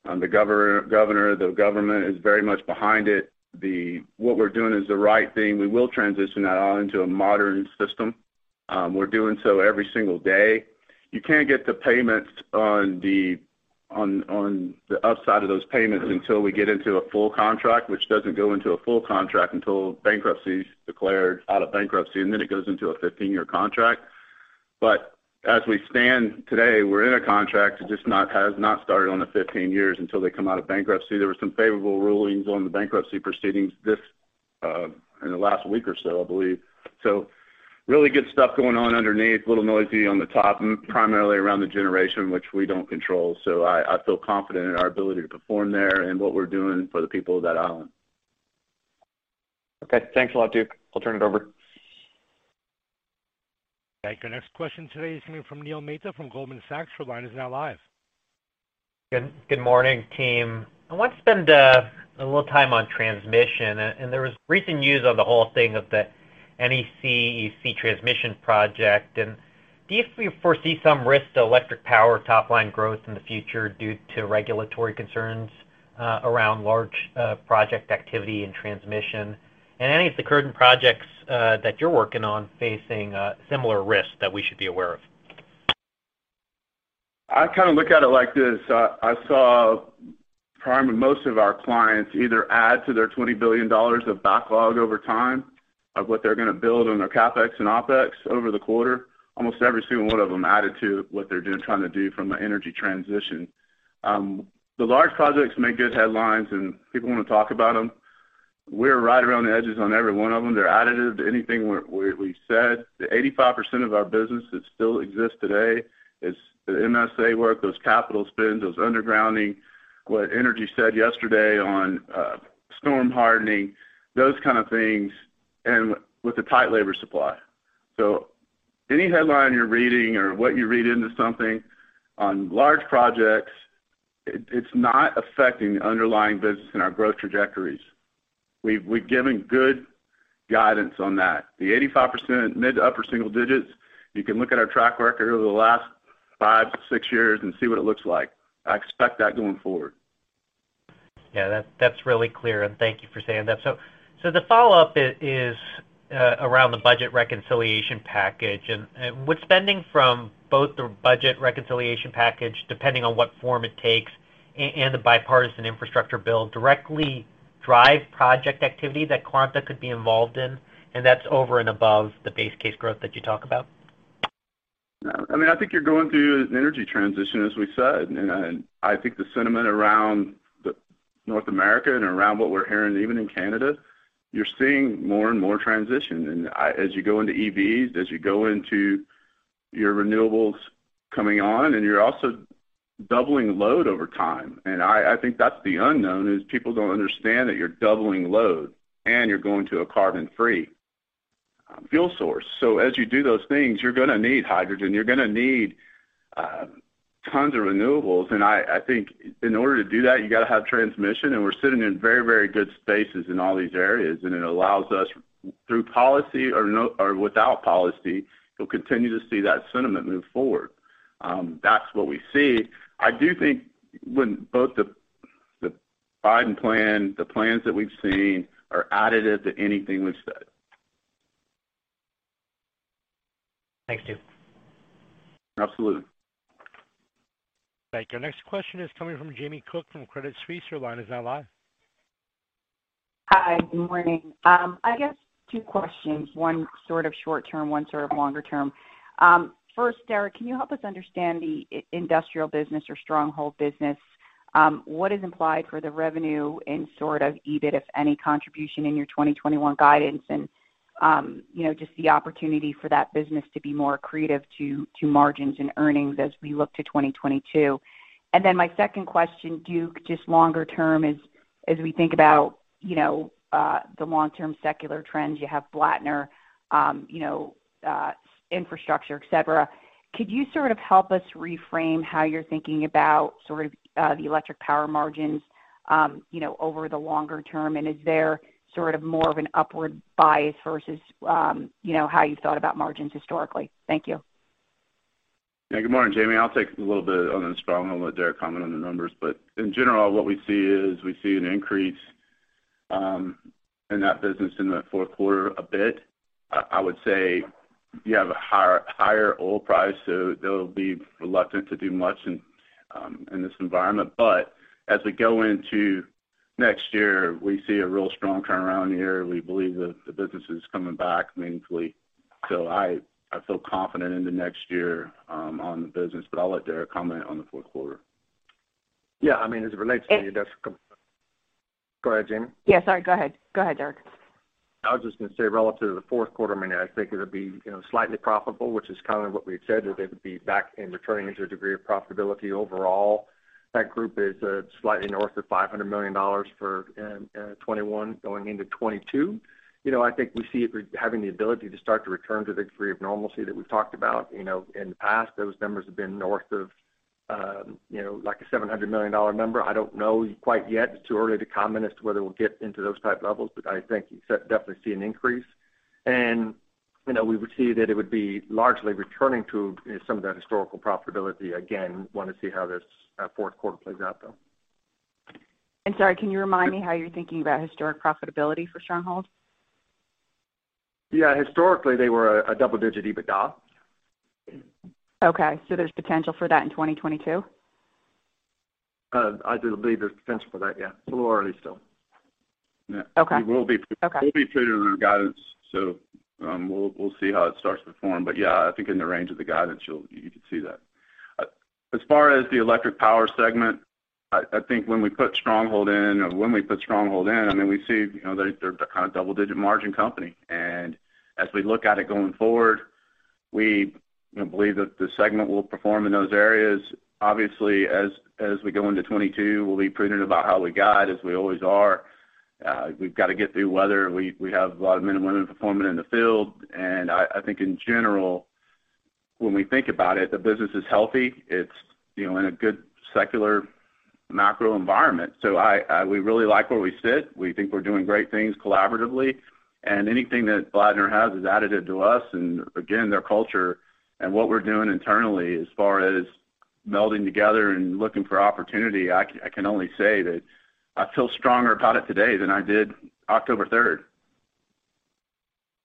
The government is very much behind it. What we're doing is the right thing. We will transition that all into a modern system. We're doing so every single day. You can't get the payments on the upside of those payments until we get into a full contract, which doesn't go into a full contract until bankruptcy is declared out of bankruptcy, and then it goes into a 15-year contract. As we stand today, we're in a contract. It has not started on the 15 years until they come out of bankruptcy. There were some favorable rulings on the bankruptcy proceedings this in the last week or so I believe. Really good stuff going on underneath. A little noisy on the top, primarily around the generation which we don't control. I feel confident in our ability to perform there and what we're doing for the people of that island. Okay. Thanks a lot, Duke. I'll turn it over. Okay. Our next question today is coming from Neil Mehta from Goldman Sachs. Your line is now live. Good morning, team. I want to spend a little time on transmission and there was recent news on the whole thing of the NECEC transmission project. Do you foresee some risk to electric power top line growth in the future due to regulatory concerns around large project activity and transmission? Any of the current projects that you're working on facing similar risks that we should be aware of? I kind of look at it like this. I saw prime and most of our clients either add to their $20 billion of backlog over time of what they're gonna build on their CapEx and OpEx over the quarter. Almost every single one of them added to what they're doing, trying to do from an energy transition. The large projects make good headlines and people wanna talk about them. We're right around the edges on every one of them. They're additive to anything we said. The 85% of our business that still exists today is the MSA work, those capital spends, those undergrounding, what Entergy said yesterday on storm hardening, those kind of things, and with a tight labor supply. Any headline you're reading or what you read into something on large projects, it's not affecting the underlying business and our growth trajectories. We've given good guidance on that. The 85% mid- to upper single digits, you can look at our track record over the last five to six years and see what it looks like. I expect that going forward. Yeah, that's really clear and thank you for saying that. The follow-up is around the budget reconciliation package. Would spending from both the budget reconciliation package, depending on what form it takes and the bipartisan infrastructure bill directly drive project activity that Quanta could be involved in? That's over and above the base case growth that you talk about. No. I mean, I think you're going through an energy transition as we said. I think the sentiment around North America and around what we're hearing even in Canada. You're seeing more and more transition. As you go into EVs, as you go into your renewables coming on, and you're also doubling load over time. I think that's the unknown. People don't understand that you're doubling load and you're going to a carbon-free fuel source. As you do those things, you're gonna need hydrogen. You're gonna need tons of renewables. I think in order to do that, you got to have transmission, and we're sitting in very, very good spaces in all these areas. It allows us through policy or without policy. You'll continue to see that sentiment move forward. That's what we see. I do think when both the Biden plan, the plans that we've seen are additive to anything we've said. Thanks, Duke. Absolutely. Thank you. Next question is coming from Jamie Cook from Credit Suisse. Your line is now live. Hi. Good morning. I guess two questions, one sort of short-term, one sort of longer-term. First, Derrick, can you help us understand the industrial business or Stronghold business? What is implied for the revenue and sort of EBIT, if any contribution in your 2021 guidance and, you know, just the opportunity for that business to be more accretive to margins and earnings as we look to 2022. Then my second question, Duke, just longer-term is, as we think about, you know, the long-term secular trends, you have Blattner, you know, infrastructure, et cetera. Could you sort of help us reframe how you're thinking about sort of the electric power margins, you know, over the longer term? Is there sort of more of an upward bias versus, you know, how you thought about margins historically? Thank you. Yeah. Good morning, Jamie. I'll take a little bit on this. I'm going to let Derrick comment on the numbers. In general, what we see is we see an increase in that business in the fourth quarter a bit. I would say you have a higher oil price, so they'll be reluctant to do much in this environment. As we go into next year, we see a real strong turnaround year. We believe that the business is coming back meaningfully. I feel confident in the next year on the business, but I'll let Derrick comment on the fourth quarter. Yeah, I mean, as it relates to your desk. Go ahead, Jamie. Yeah, sorry. Go ahead. Go ahead, Derrick. I was just going to say relative to the fourth quarter, I mean, I think it'll be, you know, slightly profitable, which is kind of what we had said, that it would be back and returning to a degree of profitability overall. That group is slightly north of $500 million for 2021 going into 2022. You know, I think we see it having the ability to start to return to the degree of normalcy that we've talked about. You know, in the past, those numbers have been north of, you know, like a $700 million number. I don't know quite yet. It's too early to comment as to whether we'll get into those type levels, but I think you definitely see an increase. You know, we would see that it would be largely returning to some of that historical profitability. Again, I want to see how this fourth quarter plays out, though. Sorry, can you remind me how you're thinking about historic profitability for Stronghold? Yeah. Historically, they were a double-digit EBITDA. Okay. There's potential for that in 2022? I do believe there's potential for that, yeah. It's a little early still. Okay. Okay. We'll be treating our guidance, so, we'll see how it starts to form. Yeah, I think in the range of the guidance, you can see that. As far as the Electric Power segment, I think when we put Stronghold in, I mean, we see, you know, they're kind of double-digit margin company. As we look at it going forward, we believe that the segment will perform in those areas. Obviously, as we go into 2022, we'll be prudent about how we guide, as we always are. We've got to get through weather. We have a lot of men and women performing in the field. I think in general, when we think about it, the business is healthy. It's, you know, in a good secular macro environment. We really like where we sit. We think we're doing great things collaboratively. Anything that Blattner has is additive to us. Again, their culture and what we're doing internally as far as melding together and looking for opportunity, I can only say that I feel stronger about it today than I did October 3rd.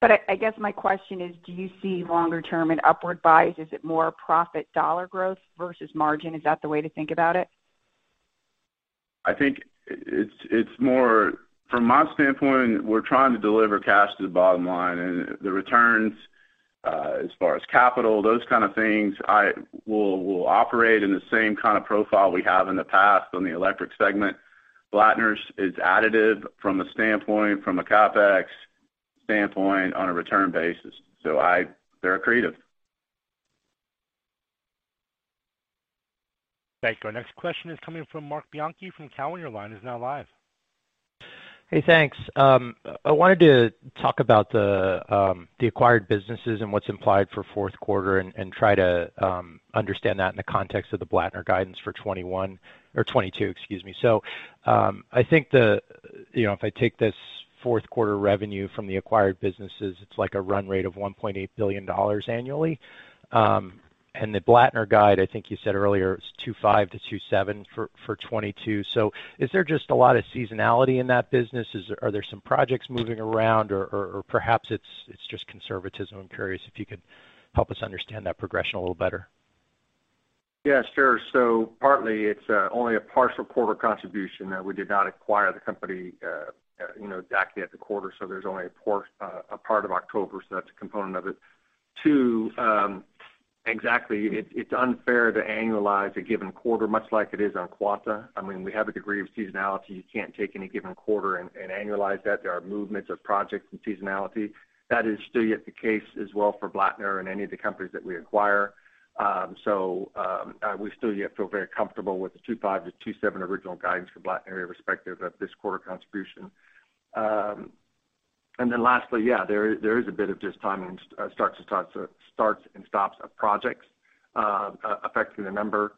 I guess my question is, do you see longer term an upward bias? Is it more profit dollar growth versus margin? Is that the way to think about it? I think it's more from my standpoint, we're trying to deliver cash to the bottom line and the returns, as far as capital, those kind of things. We'll operate in the same kind of profile we have in the past on the electric segment. Blattner's is additive from a standpoint, from a CapEx standpoint on a return basis. They're accretive. Thank you. Our next question is coming from Marc Bianchi from Cowen. Your line is now live. Hey, thanks. I wanted to talk about the acquired businesses and what's implied for fourth quarter and try to understand that in the context of the Blattner guidance for 2021 or 2022, excuse me. I think the, you know, if I take this fourth quarter revenue from the acquired businesses, it's like a run rate of $1.8 billion annually. And the Blattner guide, I think you said earlier, it's $2.5 billion-$2.7 billion for 2022. Is there just a lot of seasonality in that business? Are there some projects moving around or perhaps it's just conservatism? I'm curious if you could help us understand that progression a little better. Yes, sure. Partly, it's only a partial quarter contribution that we did not acquire the company, you know, exactly at the quarter, so there's only a part of October, so that's a component of it. Two, exactly, it's unfair to annualize a given quarter, much like it is on Quanta. I mean, we have a degree of seasonality. You can't take any given quarter and annualize that. There are movements of projects and seasonality. That is still yet the case as well for Blattner and any of the companies that we acquire. We still yet feel very comfortable with the $2.5 billion-$2.7 billion original guidance for Blattner irrespective of this quarter contribution. Lastly, yeah, there is a bit of just timing, starts and stops of projects, affecting the number.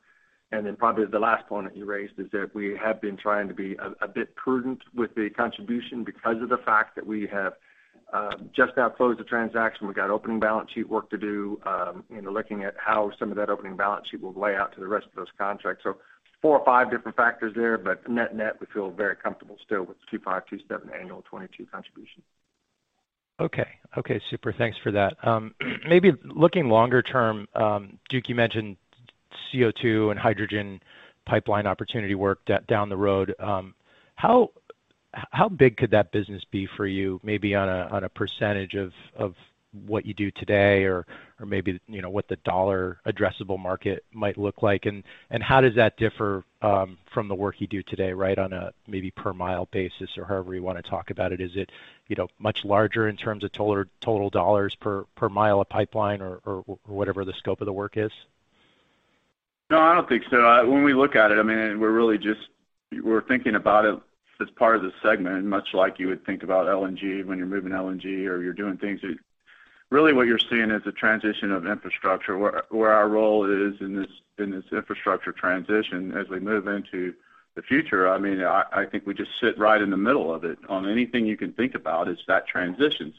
Probably the last point that you raised is that we have been trying to be a bit prudent with the contribution because of the fact that we have just now closed the transaction. We've got opening balance sheet work to do, you know, looking at how some of that opening balance sheet will lay out to the rest of those contracts. Four or five different factors there, but net-net, we feel very comfortable still with the $2.5 billion-$2.7 billion annual 2022 contribution. Okay. Okay, super. Thanks for that. Maybe looking longer term, Duke, you mentioned CO2 and hydrogen pipeline opportunity work down the road. How big could that business be for you, maybe on a percentage of what you do today or maybe, you know, what the dollar addressable market might look like? How does that differ from the work you do today, right? On a per mile basis or however you wanna talk about it. Is it, you know, much larger in terms of total dollars per mile of pipeline or whatever the scope of the work is? No, I don't think so. When we look at it, I mean, we're thinking about it as part of the segment, much like you would think about LNG when you're moving LNG or you're doing things. Really what you're seeing is a transition of infrastructure. Where our role is in this infrastructure transition as we move into the future, I mean, I think we just sit right in the middle of it on anything you can think about is that transition.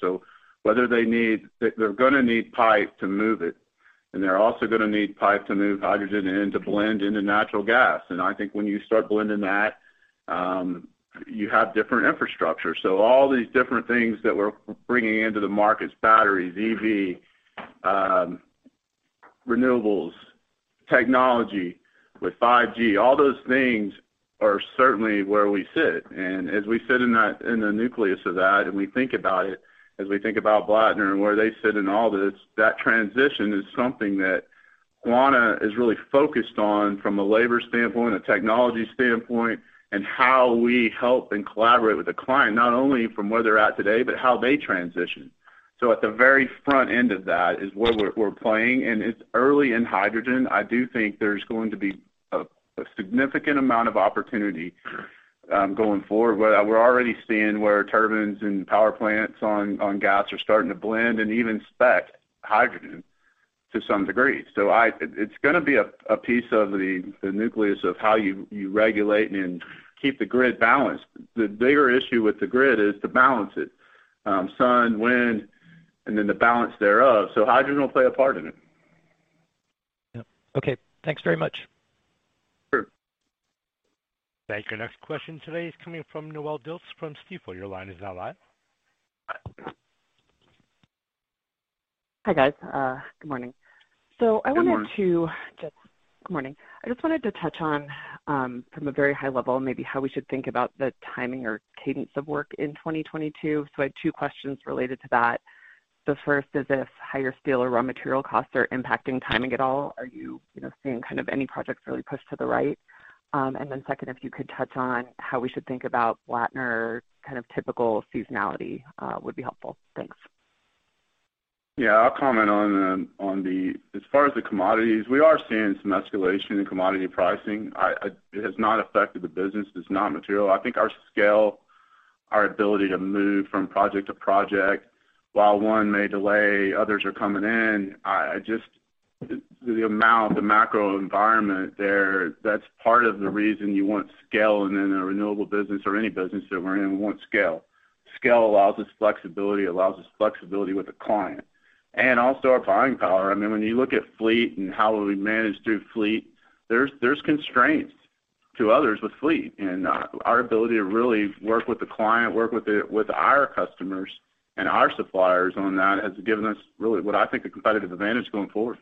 Whether they need, they're gonna need pipe to move it, and they're also gonna need pipe to move hydrogen in to blend into natural gas. I think when you start blending that, you have different infrastructure. All these different things that we're bringing into the markets, batteries, EV, renewables, technology with 5G, all those things are certainly where we sit. As we sit in that in the nucleus of that, and we think about it as we think about Blattner and where they sit in all this, that transition is something that Quanta is really focused on from a labor standpoint, a technology standpoint, and how we help and collaborate with the client, not only from where they're at today, but how they transition. At the very front end of that is where we're playing, and it's early in hydrogen. I do think there's going to be a significant amount of opportunity going forward. We're already seeing where turbines and power plants on gas are starting to blend and even spec hydrogen to some degree. I It's gonna be a piece of the nucleus of how you regulate and keep the grid balanced. The bigger issue with the grid is to balance it. Sun, wind, and then the balance thereof. Hydrogen will play a part in it. Yep. Okay. Thanks very much. Sure. Thank you. Next question today is coming from Noelle Dilts from Stifel. Your line is now live. Hi, guys. Good morning. I wanted to. Good morning. Good morning. I just wanted to touch on, from a very high level, maybe how we should think about the timing or cadence of work in 2022. I have two questions related to that. The first is if higher steel or raw material costs are impacting timing at all. Are you know, seeing kind of any projects really pushed to the right? Second, if you could touch on how we should think about Blattner kind of typical seasonality, would be helpful. Thanks. Yeah. I'll comment on. As far as the commodities, we are seeing some escalation in commodity pricing. It has not affected the business. It's not material. I think our scale, our ability to move from project to project, while one may delay, others are coming in. The amount, the macro environment there, that's part of the reason you want scale in a renewable business or any business that we're in, we want scale. Scale allows us flexibility. It allows us flexibility with the client. Also our buying power. I mean, when you look at fleet and how we manage through fleet, there's constraints to others with fleet. Our ability to really work with the client, with our customers and our suppliers on that has given us really what I think a competitive advantage going forward.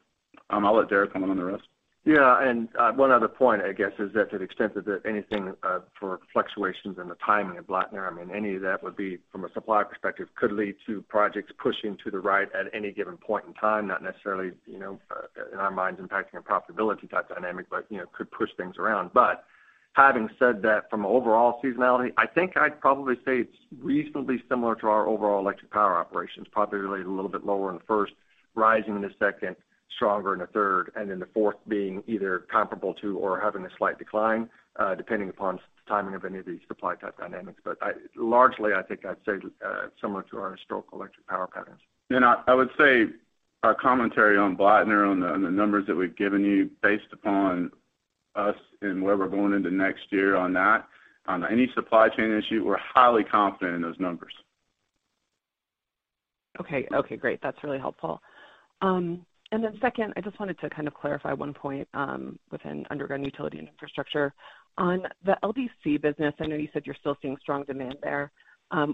I'll let Derrick comment on the rest. One other point, I guess, is that to the extent that anything for fluctuations in the timing of Blattner, I mean, any of that would be from a supply perspective could lead to projects pushing to the right at any given point in time, not necessarily, you know, in our minds impacting a profitability type dynamic, but, you know, could push things around. Having said that, from an overall seasonality, I think I'd probably say it's reasonably similar to our overall electric power operations, probably related a little bit lower in the first, rising in the second, stronger in the third, and then the fourth being either comparable to or having a slight decline, depending upon timing of any of these supply type dynamics. Largely, I think I'd say, similar to our historical electric power patterns. I would say our commentary on Blattner on the numbers that we've given you based upon us and where we're going into next year on that, on any supply chain issue, we're highly confident in those numbers. Okay. Okay, great. That's really helpful. Then second, I just wanted to kind of clarify one point within underground utility and infrastructure. On the LDC business, I know you said you're still seeing strong demand there.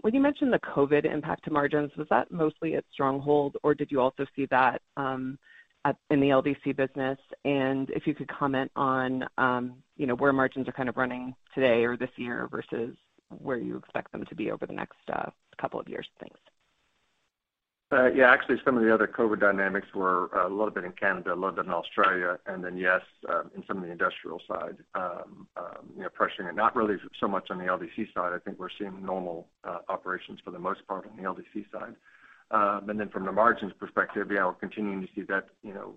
When you mentioned the COVID impact to margins, was that mostly at Stronghold or did you also see that in the LDC business? If you could comment on you know, where margins are kind of running today or this year versus where you expect them to be over the next couple of years. Thanks. Yeah, actually some of the other COVID dynamics were a little bit in Canada, a little bit in Australia, and then, yes, in some of the industrial side, you know, pressuring it. Not really so much on the LDC side. I think we're seeing normal operations for the most part on the LDC side. Then from the margins perspective, yeah, we're continuing to see that, you know,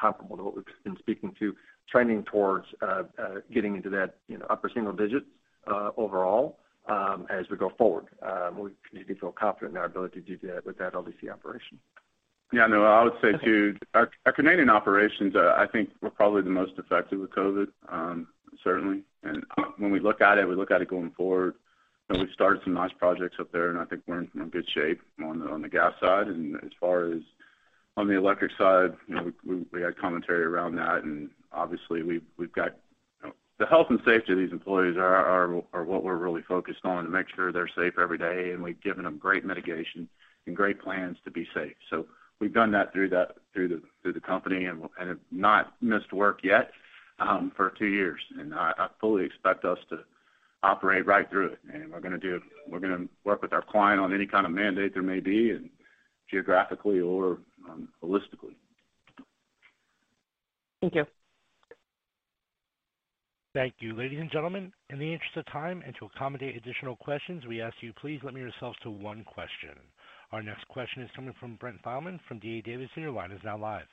comparable to what we've been speaking to, trending towards getting into that, you know, upper single digits overall as we go forward. We continue to feel confident in our ability to do that with that LDC operation. Yeah, no, I would say, too, our Canadian operations I think were probably the most affected with COVID, certainly. When we look at it going forward, and we've started some nice projects up there, and I think we're in good shape on the gas side. As far as on the electric side, you know, we had commentary around that. Obviously we've got the health and safety of these employees are what we're really focused on to make sure they're safe every day. We've given them great mitigation and great plans to be safe. We've done that through the company and have not missed work yet, for two years. I fully expect us to operate right through it. We're gonna work with our client on any kind of mandate there may be and geographically or, holistically. Thank you. Thank you. Ladies and gentlemen, in the interest of time and to accommodate additional questions, we ask you please limit yourselves to one question. Our next question is coming from Brent Thielman from D.A. Davidson. Your line is now live.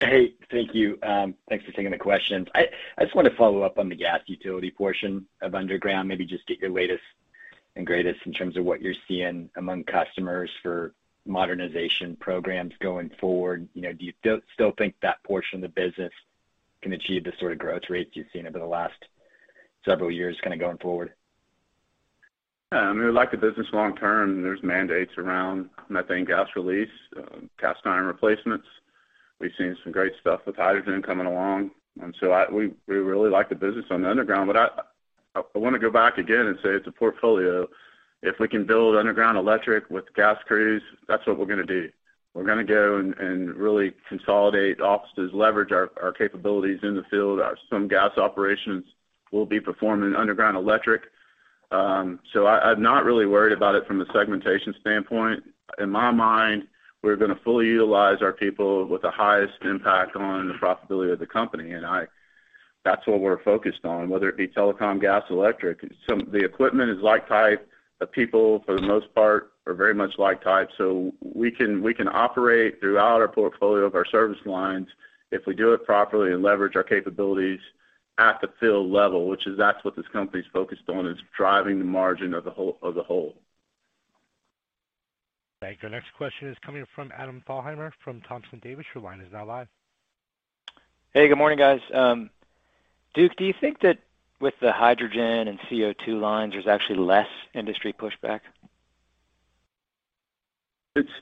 Hey, thank you. Thanks for taking the questions. I just want to follow up on the gas utility portion of underground. Maybe just get your latest and greatest in terms of what you're seeing among customers for modernization programs going forward. You know, do you still think that portion of the business can achieve the sort of growth rates you've seen over the last several years kind of going forward? Yeah, I mean, we like the business long term. There's mandates around methane gas release, cast iron replacements. We've seen some great stuff with hydrogen coming along. We really like the business on the underground. I wanna go back again and say it's a portfolio. If we can build underground electric with gas crews, that's what we're gonna do. We're gonna go and really consolidate offices, leverage our capabilities in the field. Some gas operations will be performing underground electric. I'm not really worried about it from a segmentation standpoint. In my mind, we're gonna fully utilize our people with the highest impact on the profitability of the company. That's what we're focused on, whether it be telecom, gas, electric. The equipment is like type. The people, for the most part, are very much alike. We can operate throughout our portfolio of service lines if we do it properly and leverage our capabilities at the field level, which is what this company's focused on, driving the margin of the whole. Thank you. Our next question is coming from Adam Thalhimer from Thompson Davis. Your line is now live. Hey, good morning, guys. Duke, do you think that with the hydrogen and CO2 lines, there's actually less industry pushback?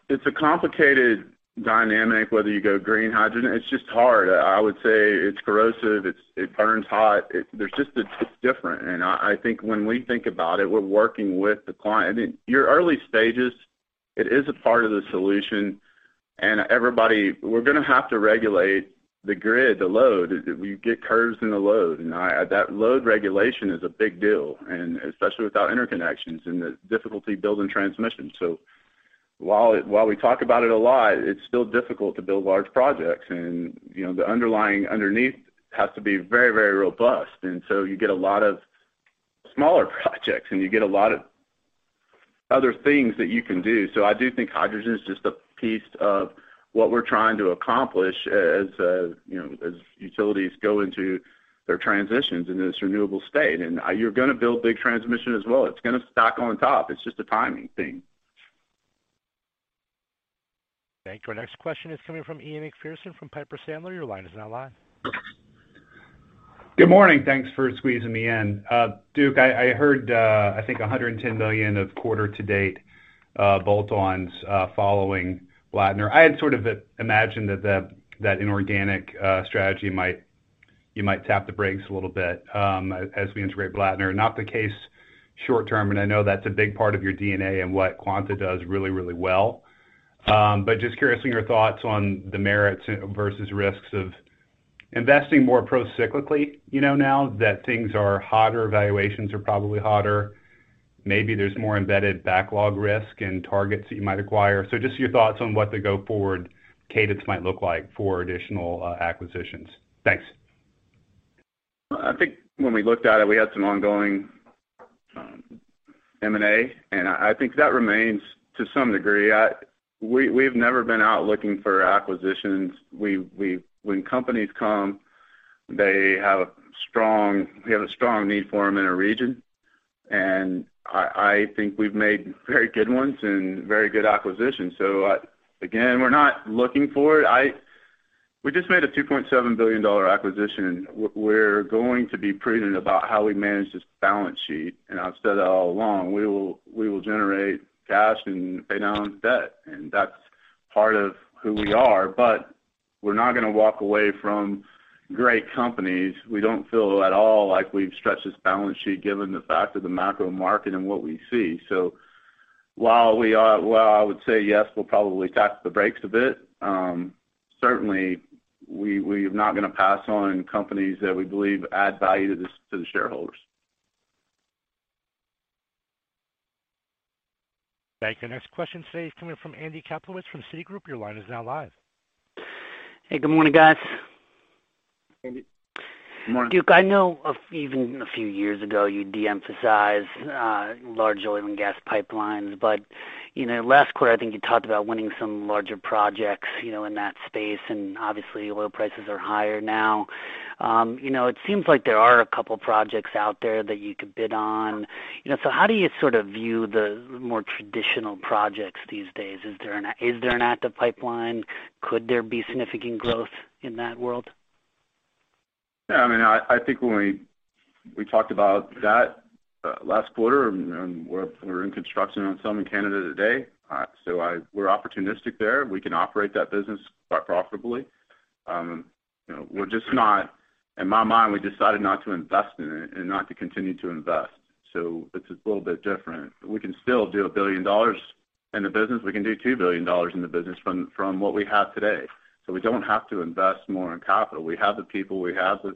It's a complicated dynamic, whether you go green hydrogen. It's just hard. I would say it's corrosive. It burns hot. It's different. I think when we think about it, we're working with the client. I mean, in early stages, it is a part of the solution. Everybody. We're gonna have to regulate the grid, the load. You get curves in the load. That load regulation is a big deal, especially without interconnections and the difficulty building transmission. While we talk about it a lot, it's still difficult to build large projects. You know, the underlying underneath has to be very, very robust. You get a lot of smaller projects, and you get a lot of other things that you can do. I do think hydrogen is just a piece of what we're trying to accomplish, you know, as utilities go into their transitions in this renewable state. You're gonna build big transmission as well. It's gonna stack on top. It's just a timing thing. Thank you. Our next question is coming from Ian Macpherson from Piper Sandler. Your line is now live. Good morning. Thanks for squeezing me in. Duke, I heard $110 million of quarter to date bolt-ons following Blattner. I had sort of imagined that inorganic strategy might tap the brakes a little bit as we integrate Blattner. Not the case short term, and I know that's a big part of your DNA and what Quanta does really, really well. But just curious in your thoughts on the merits versus risks of investing more procyclically, you know, now that things are hotter, valuations are probably hotter. Maybe there's more embedded backlog risk and targets that you might acquire. Just your thoughts on what the go forward cadence might look like for additional acquisitions. Thanks. I think when we looked at it, we had some ongoing M&A, and I think that remains to some degree. We've never been out looking for acquisitions. When companies come, we have a strong need for them in a region. I think we've made very good ones and very good acquisitions. Again, we're not looking for it. We just made a $2.7 billion acquisition. We're going to be prudent about how we manage this balance sheet, and I've said that all along. We will generate cash and pay down debt, and that's part of who we are. We're not gonna walk away from great companies. We don't feel at all like we've stretched this balance sheet given the fact of the macro market and what we see. While I would say, yes, we'll probably tap the brakes a bit, certainly we are not gonna pass on companies that we believe add value to the shareholders. Thank you. Next question today is coming from Andy Kaplowitz from Citigroup. Your line is now live. Hey, good morning, guys. Duke, I know of even a few years ago you de-emphasized large oil and gas pipelines, but you know, last quarter, I think you talked about winning some larger projects, you know, in that space, and obviously oil prices are higher now. You know, it seems like there are a couple projects out there that you could bid on. You know, so how do you sort of view the more traditional projects these days? Is there an active pipeline? Could there be significant growth in that world? Yeah. I mean, I think when we talked about that last quarter and we're in construction on some in Canada today. So we're opportunistic there. We can operate that business quite profitably. You know, we're just not. In my mind, we decided not to invest in it and not to continue to invest. So it's a little bit different. We can still do $1 billion in the business. We can do $2 billion in the business from what we have today. So we don't have to invest more in capital. We have the people, we have the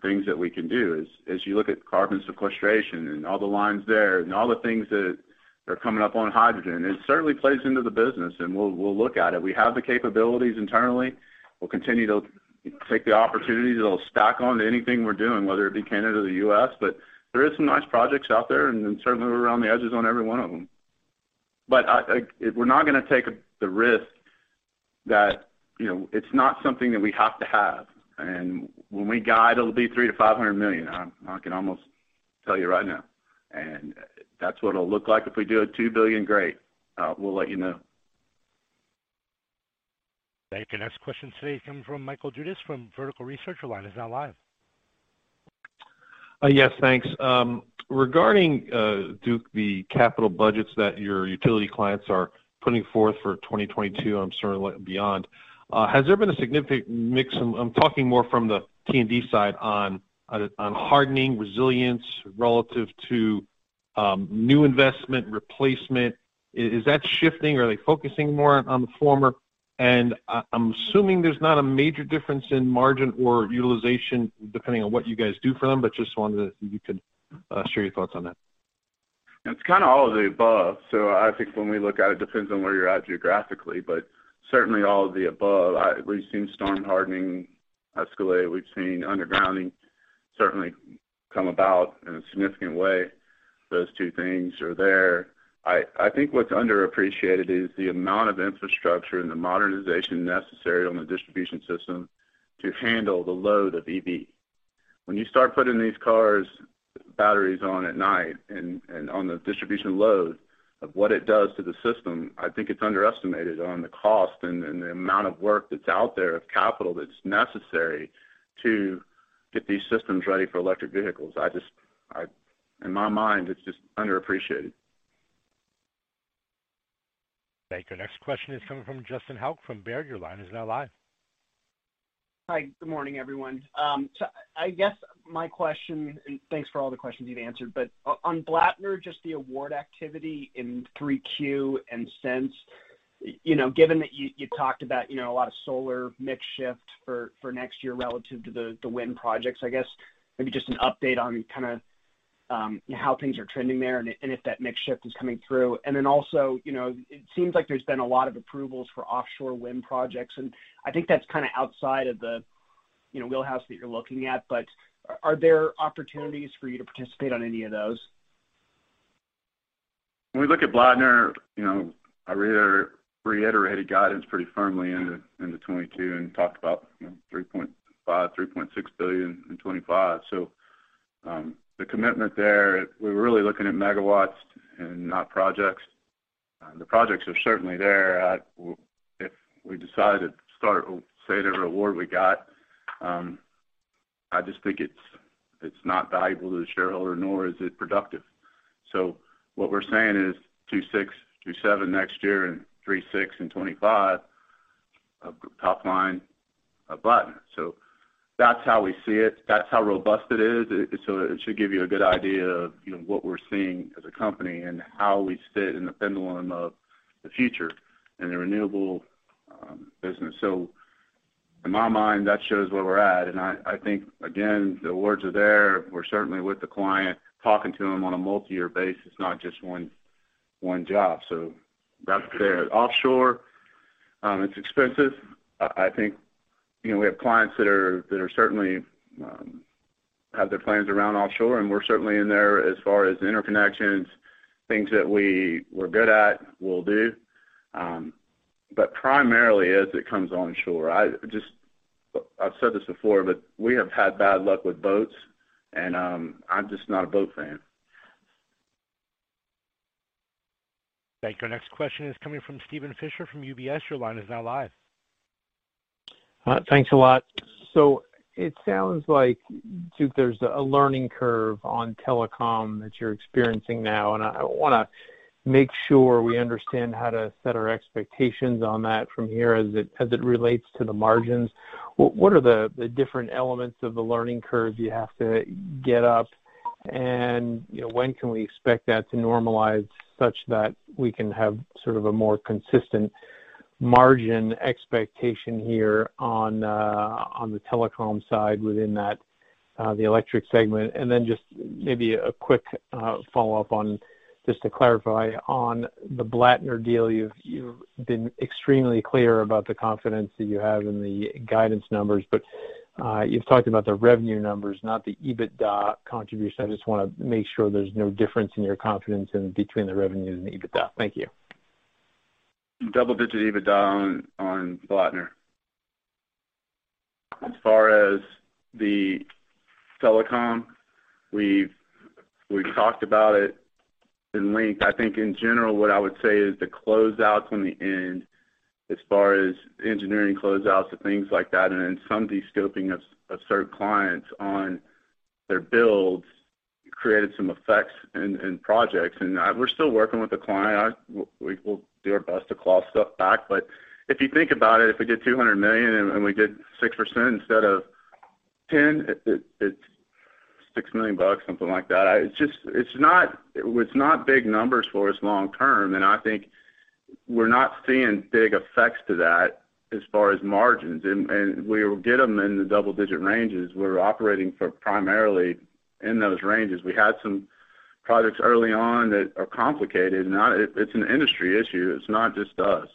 things that we can do. As you look at carbon sequestration and all the lines there, and all the things that are coming up on hydrogen, it certainly plays into the business, and we'll look at it. We have the capabilities internally. We'll continue to take the opportunities that'll stack onto anything we're doing, whether it be Canada or the U.S., but there is some nice projects out there, and certainly we're around the edges on every one of them. I, we're not gonna take the risk that, you know, it's not something that we have to have. When we guide, it'll be $300 million-$500 million. I can almost tell you right now. That's what it'll look like. If we do a $2 billion, great. We'll let you know. Thank you. Next question today coming from Michael Dudas from Vertical Research. Your line is now live. Yes, thanks. Regarding Duke, the capital budgets that your utility clients are putting forth for 2022 and beyond, has there been a significant mix? I'm talking more from the T&D side on hardening resilience relative to new investment replacement. Is that shifting? Are they focusing more on the former? I'm assuming there's not a major difference in margin or utilization depending on what you guys do for them, but just wondered if you could share your thoughts on that. It's kind of all of the above. I think when we look at it depends on where you're at geographically, but certainly all of the above. We've seen storm hardening escalate. We've seen undergrounding certainly come about in a significant way. Those two things are there. I think what's underappreciated is the amount of infrastructure and the modernization necessary on the distribution system to handle the load of EV. When you start putting these car batteries on at night and on the distribution load of what it does to the system, I think it's underestimated on the cost and the amount of work that's out there of capital that's necessary to get these systems ready for electric vehicles. I just in my mind, it's just underappreciated. Thank you. Next question is coming from Justin Hauke from Baird. Your line is now live. Hi. Good morning, everyone. I guess my question. Thanks for all the questions you've answered. On Blattner, just the award activity in 3Q and since, you know, given that you talked about, you know, a lot of solar mix shift for next year relative to the wind projects, I guess maybe just an update on kinda how things are trending there and if that mix shift is coming through. It seems like there's been a lot of approvals for offshore wind projects, and I think that's kind of outside of the wheelhouse that you're looking at. Are there opportunities for you to participate on any of those? When we look at Blattner, you know, I reiterated guidance pretty firmly into 2022 and talked about, you know, $3.5 billion-$3.6 billion in 2025. The commitment there, we're really looking at megawatts and not projects. The projects are certainly there. If we decide to start, say, the work we got, I just think it's not valuable to the shareholder, nor is it productive. What we're saying is $2.6 billion-$2.7 billion next year and $3.6 billion in 2025 of top line of Blattner. That's how we see it. That's how robust it is. It should give you a good idea of, you know, what we're seeing as a company and how we sit in the pendulum of the future in the renewable business. In my mind, that shows where we're at. I think, again, the awards are there. We're certainly with the client, talking to them on a multi-year basis, not just one job. That's there. Offshore, it's expensive. I think, you know, we have clients that certainly have their plans around offshore, and we're certainly in there as far as interconnections. Things that we're good at, we'll do. Primarily, it comes onshore. I've said this before, but we have had bad luck with boats and, I'm just not a boat fan. Thank you. Our next question is coming from Steven Fisher from UBS. Your line is now live. Thanks a lot. It sounds like, Duke, there's a learning curve on telecom that you're experiencing now, and I wanna make sure we understand how to set our expectations on that from here as it relates to the margins. What are the different elements of the learning curve you have to get up? And, you know, when can we expect that to normalize such that we can have sort of a more consistent margin expectation here on the telecom side within that, the electric segment. And then just maybe a quick follow-up on just to clarify on the Blattner deal. You've been extremely clear about the confidence that you have in the guidance numbers, but you've talked about the revenue numbers, not the EBITDA contribution. I just wanna make sure there's no difference in your confidence in between the revenue and the EBITDA. Thank you. Double-digit EBITDA on Blattner. As far as the telecom, we've talked about it at length. I think in general, what I would say is the closeouts on the end as far as engineering closeouts and things like that, and then some de-scoping of certain clients on their builds created some effects in projects. We're still working with the client. We will do our best to claw stuff back. If you think about it, if we did $200 million and we did 6% instead of 10%, it's $6 million bucks, something like that. It's just. It's not big numbers for us long term. I think we're not seeing big effects to that as far as margins. We'll get them in the double-digit ranges. We're operating primarily in those ranges. We had some projects early on that are complicated, and it's an industry issue. It's not just us.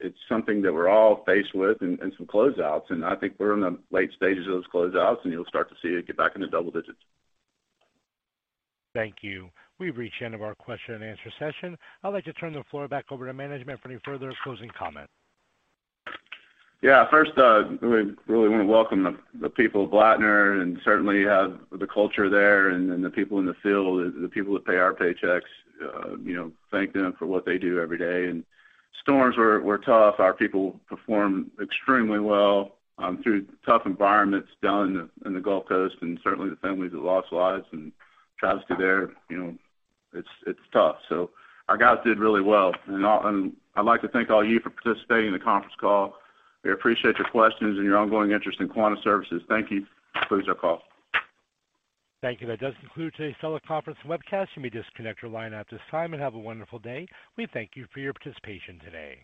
It's something that we're all faced with in some closeouts, and I think we're in the late stages of those closeouts, and you'll start to see it get back into double digits. Thank you. We've reached the end of our question and answer session. I'd like to turn the floor back over to management for any further closing comment. Yeah. First, we really wanna welcome the people of Blattner and certainly have the culture there and the people in the field, the people that pay our paychecks, you know, thank them for what they do every day. Storms were tough. Our people performed extremely well through tough environments down in the Gulf Coast, and certainly the families that lost lives and tragedy there, you know, it's tough. Our guys did really well. I'd like to thank all you for participating in the conference call. We appreciate your questions and your ongoing interest in Quanta Services. Thank you. This concludes our call. Thank you. That does conclude today's teleconference webcast. You may disconnect your line at this time, and have a wonderful day. We thank you for your participation today.